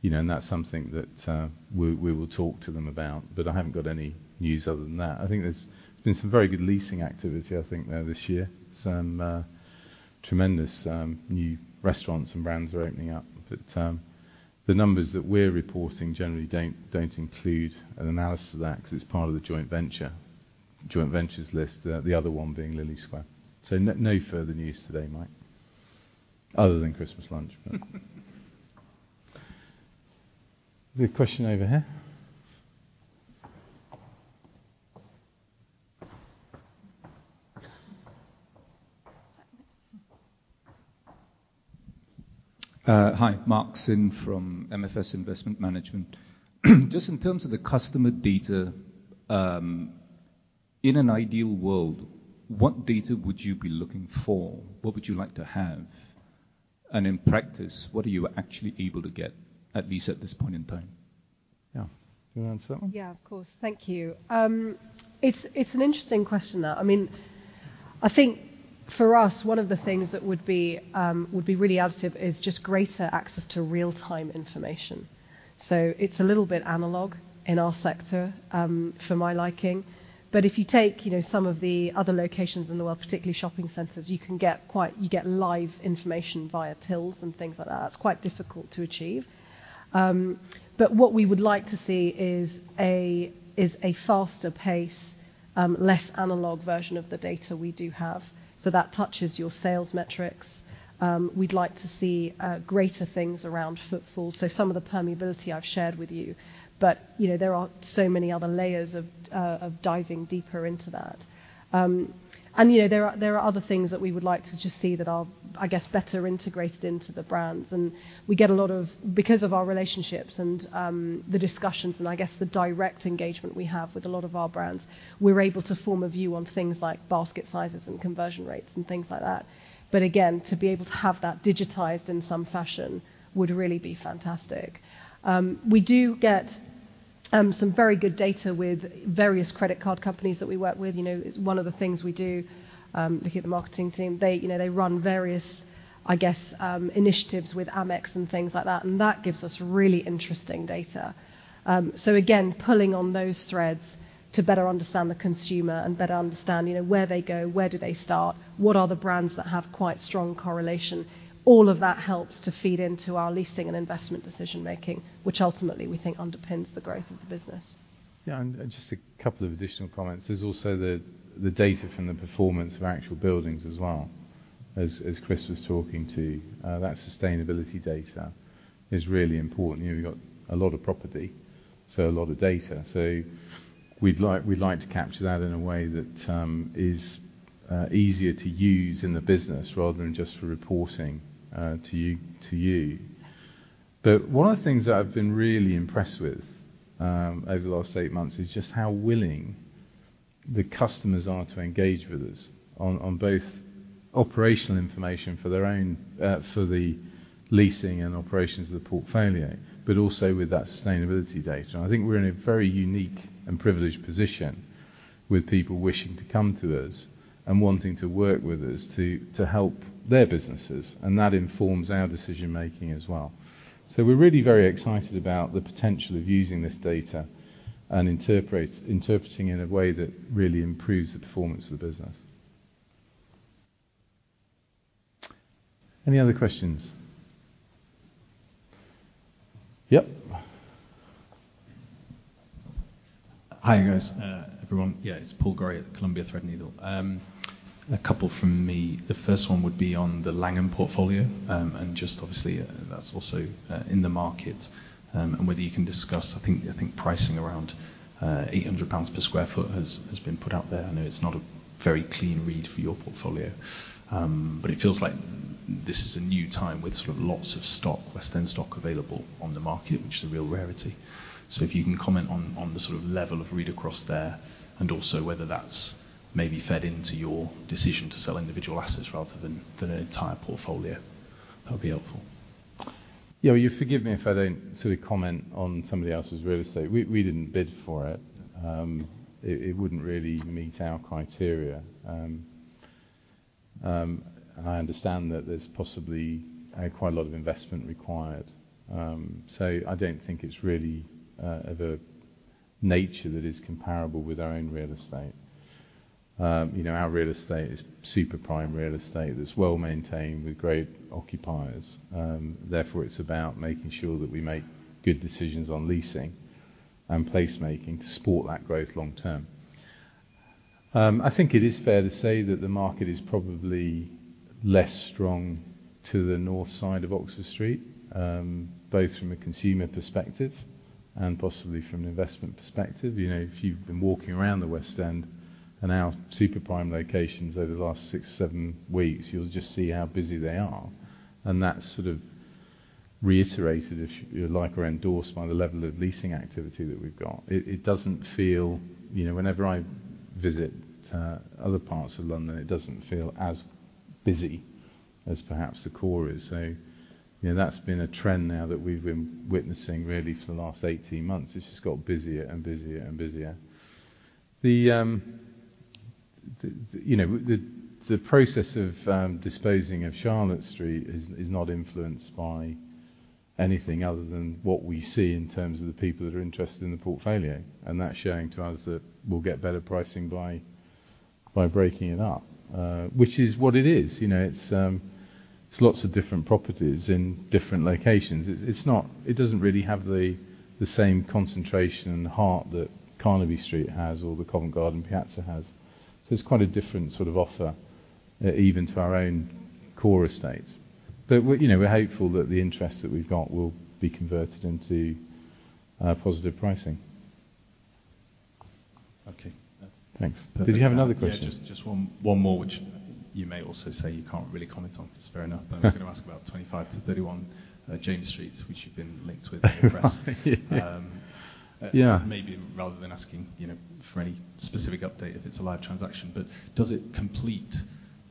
You know, and that's something that we will talk to them about, but I haven't got any news other than that. I think there's been some very good leasing activity there this year. Some tremendous new restaurants and brands are opening up, but the numbers that we're reporting generally don't include an analysis of that because it's part of the joint venture, joint ventures list, the other one being Lillie Square. No, no further news today, Mike, other than Christmas lunch. There's a question over here. Hi. Mark Syn from MFS Investment Management. Just in terms of the customer data, in an ideal world, what data would you be looking for? What would you like to have? In practice, what are you actually able to get, at least at this point in time? Yeah. You wanna answer that one? Yeah, of course. Thank you. It's an interesting question, that. I mean, I think for us, one of the things that would be really additive is just greater access to real-time information. So it's a little bit analog in our sector, for my liking. But if you take, you know, some of the other locations in the world, particularly shopping centers, you can get quite. You get live information via tills and things like that. It's quite difficult to achieve. But what we would like to see is a faster pace, less analog version of the data we do have. So that touches your sales metrics. We'd like to see greater things around footfall, so some of the permeability I've shared with you. But, you know, there are so many other layers of diving deeper into that. And, you know, there are other things that we would like to just see that are, I guess, better integrated into the brands. And we get a lot of... Because of our relationships and the discussions and I guess the direct engagement we have with a lot of our brands, we're able to form a view on things like basket sizes and conversion rates and things like that. But again, to be able to have that digitized in some fashion would really be fantastic. We do get some very good data with various credit card companies that we work with. You know, it's one of the things we do. Looking at the marketing team, they, you know, they run various, I guess, initiatives with Amex and things like that, and that gives us really interesting data. So again, pulling on those threads to better understand the consumer and better understand, you know, where they go, where do they start, what are the brands that have quite strong correlation? All of that helps to feed into our leasing and investment decision-making, which ultimately, we think, underpins the growth of the business. Yeah, and just a couple of additional comments. There's also the data from the performance of actual buildings as well, as Chris was talking to, that sustainability data is really important. You know, we've got a lot of property, so a lot of data. So we'd like, we'd like to capture that in a way that is easier to use in the business rather than just for reporting to you. But one of the things that I've been really impressed with over the last eight months is just how willing the customers are to engage with us on both operational information for their own, for the leasing and operations of the portfolio, but also with that sustainability data. I think we're in a very unique and privileged position with people wishing to come to us and wanting to work with us to help their businesses, and that informs our decision-making as well. So we're really very excited about the potential of using this data and interpreting in a way that really improves the performance of the business. Any other questions? Yep. Hi, guys. Everyone, yeah, it's Paul Gray at Columbia Threadneedle. A couple from me. The first one would be on the Langham portfolio, and just obviously, that's also in the market, and whether you can discuss, I think, I think pricing around 800 pounds per sq ft has, has been put out there. I know it's not a very clean read for your portfolio, but it feels like this is a new time with sort of lots of stock, West End stock available on the market, which is a real rarity. So if you can comment on the sort of level of read-across there, and also whether that's maybe fed into your decision to sell individual assets rather than an entire portfolio, that would be helpful. Yeah, well, you forgive me if I don't sort of comment on somebody else's real estate. We didn't bid for it. It wouldn't really meet our criteria. I understand that there's possibly quite a lot of investment required. So I don't think it's really of a nature that is comparable with our own real estate. You know, our real estate is super prime real estate that's well-maintained with great occupiers. Therefore, it's about making sure that we make good decisions on leasing and placemaking to support that growth long term. I think it is fair to say that the market is probably less strong to the north side of Oxford Street, both from a consumer perspective and possibly from an investment perspective. You know, if you've been walking around the West End and our super prime locations over the last six to seven weeks, you'll just see how busy they are, and that's sort of reiterated, if you like, or endorsed by the level of leasing activity that we've got. It doesn't feel... You know, whenever I visit other parts of London, it doesn't feel as busy as perhaps the core is. So, you know, that's been a trend now that we've been witnessing really for the last 18 months. It's just got busier and busier and busier. The process of disposing of Charlotte Street is not influenced by anything other than what we see in terms of the people that are interested in the portfolio, and that's showing to us that we'll get better pricing by breaking it up, which is what it is. You know, it's lots of different properties in different locations. It's not. It doesn't really have the same concentration and the heart that Carnaby Street has or the Covent Garden Piazza has. So it's quite a different sort of offer, even to our own core estate. But we're, you know, we're hopeful that the interest that we've got will be converted into positive pricing. Okay, thanks. Did you have another question? Yeah, just, just one, one more, which you may also say you can't really comment on. It's fair enough. But I was going to ask about 25-31 James Street, which you've been linked with in the press. Yeah. Maybe rather than asking, you know, for any specific update, if it's a live transaction, but does it complete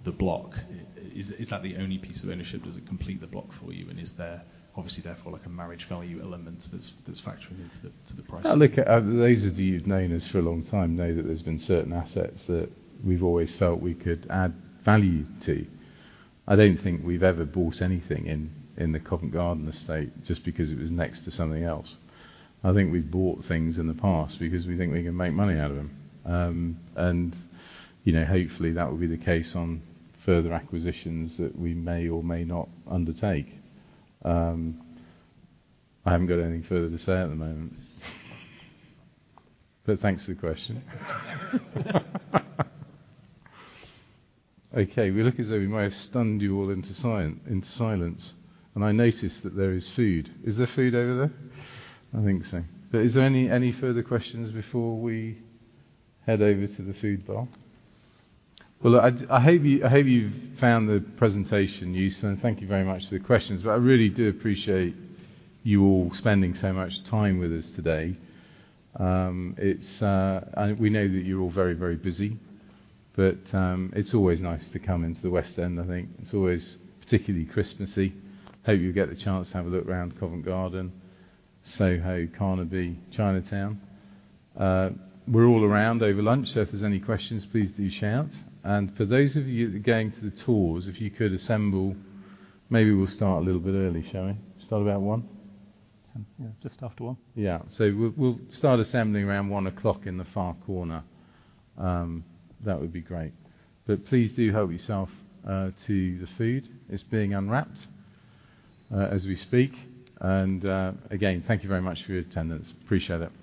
the block? Is, is that the only piece of ownership, does it complete the block for you? And is there obviously therefore, like a marriage value element that's, that's factoring into the, to the pricing? Well, look, those of you've known us for a long time know that there's been certain assets that we've always felt we could add value to. I don't think we've ever bought anything in the Covent Garden estate just because it was next to something else. I think we've bought things in the past because we think we can make money out of them. And, you know, hopefully, that will be the case on further acquisitions that we may or may not undertake. I haven't got anything further to say at the moment. But thanks for the question. Okay, we look as though we may have stunned you all into silence, and I notice that there is food. Is there food over there? I think so. But is there any further questions before we head over to the food bar? Well, I hope you've found the presentation useful, and thank you very much for the questions. But I really do appreciate you all spending so much time with us today. We know that you're all very, very busy, but it's always nice to come into the West End, I think. It's always particularly Christmassy. Hope you get the chance to have a look around Covent Garden, Soho, Carnaby, Chinatown. We're all around over lunch, so if there's any questions, please do shout. And for those of you that are going to the tours, if you could assemble, maybe we'll start a little bit early, shall we? Start about one? Yeah, just after one. Yeah. We'll start assembling around 1:00 in the far corner. That would be great. But please do help yourself to the food. It's being unwrapped as we speak. And again, thank you very much for your attendance. Appreciate it.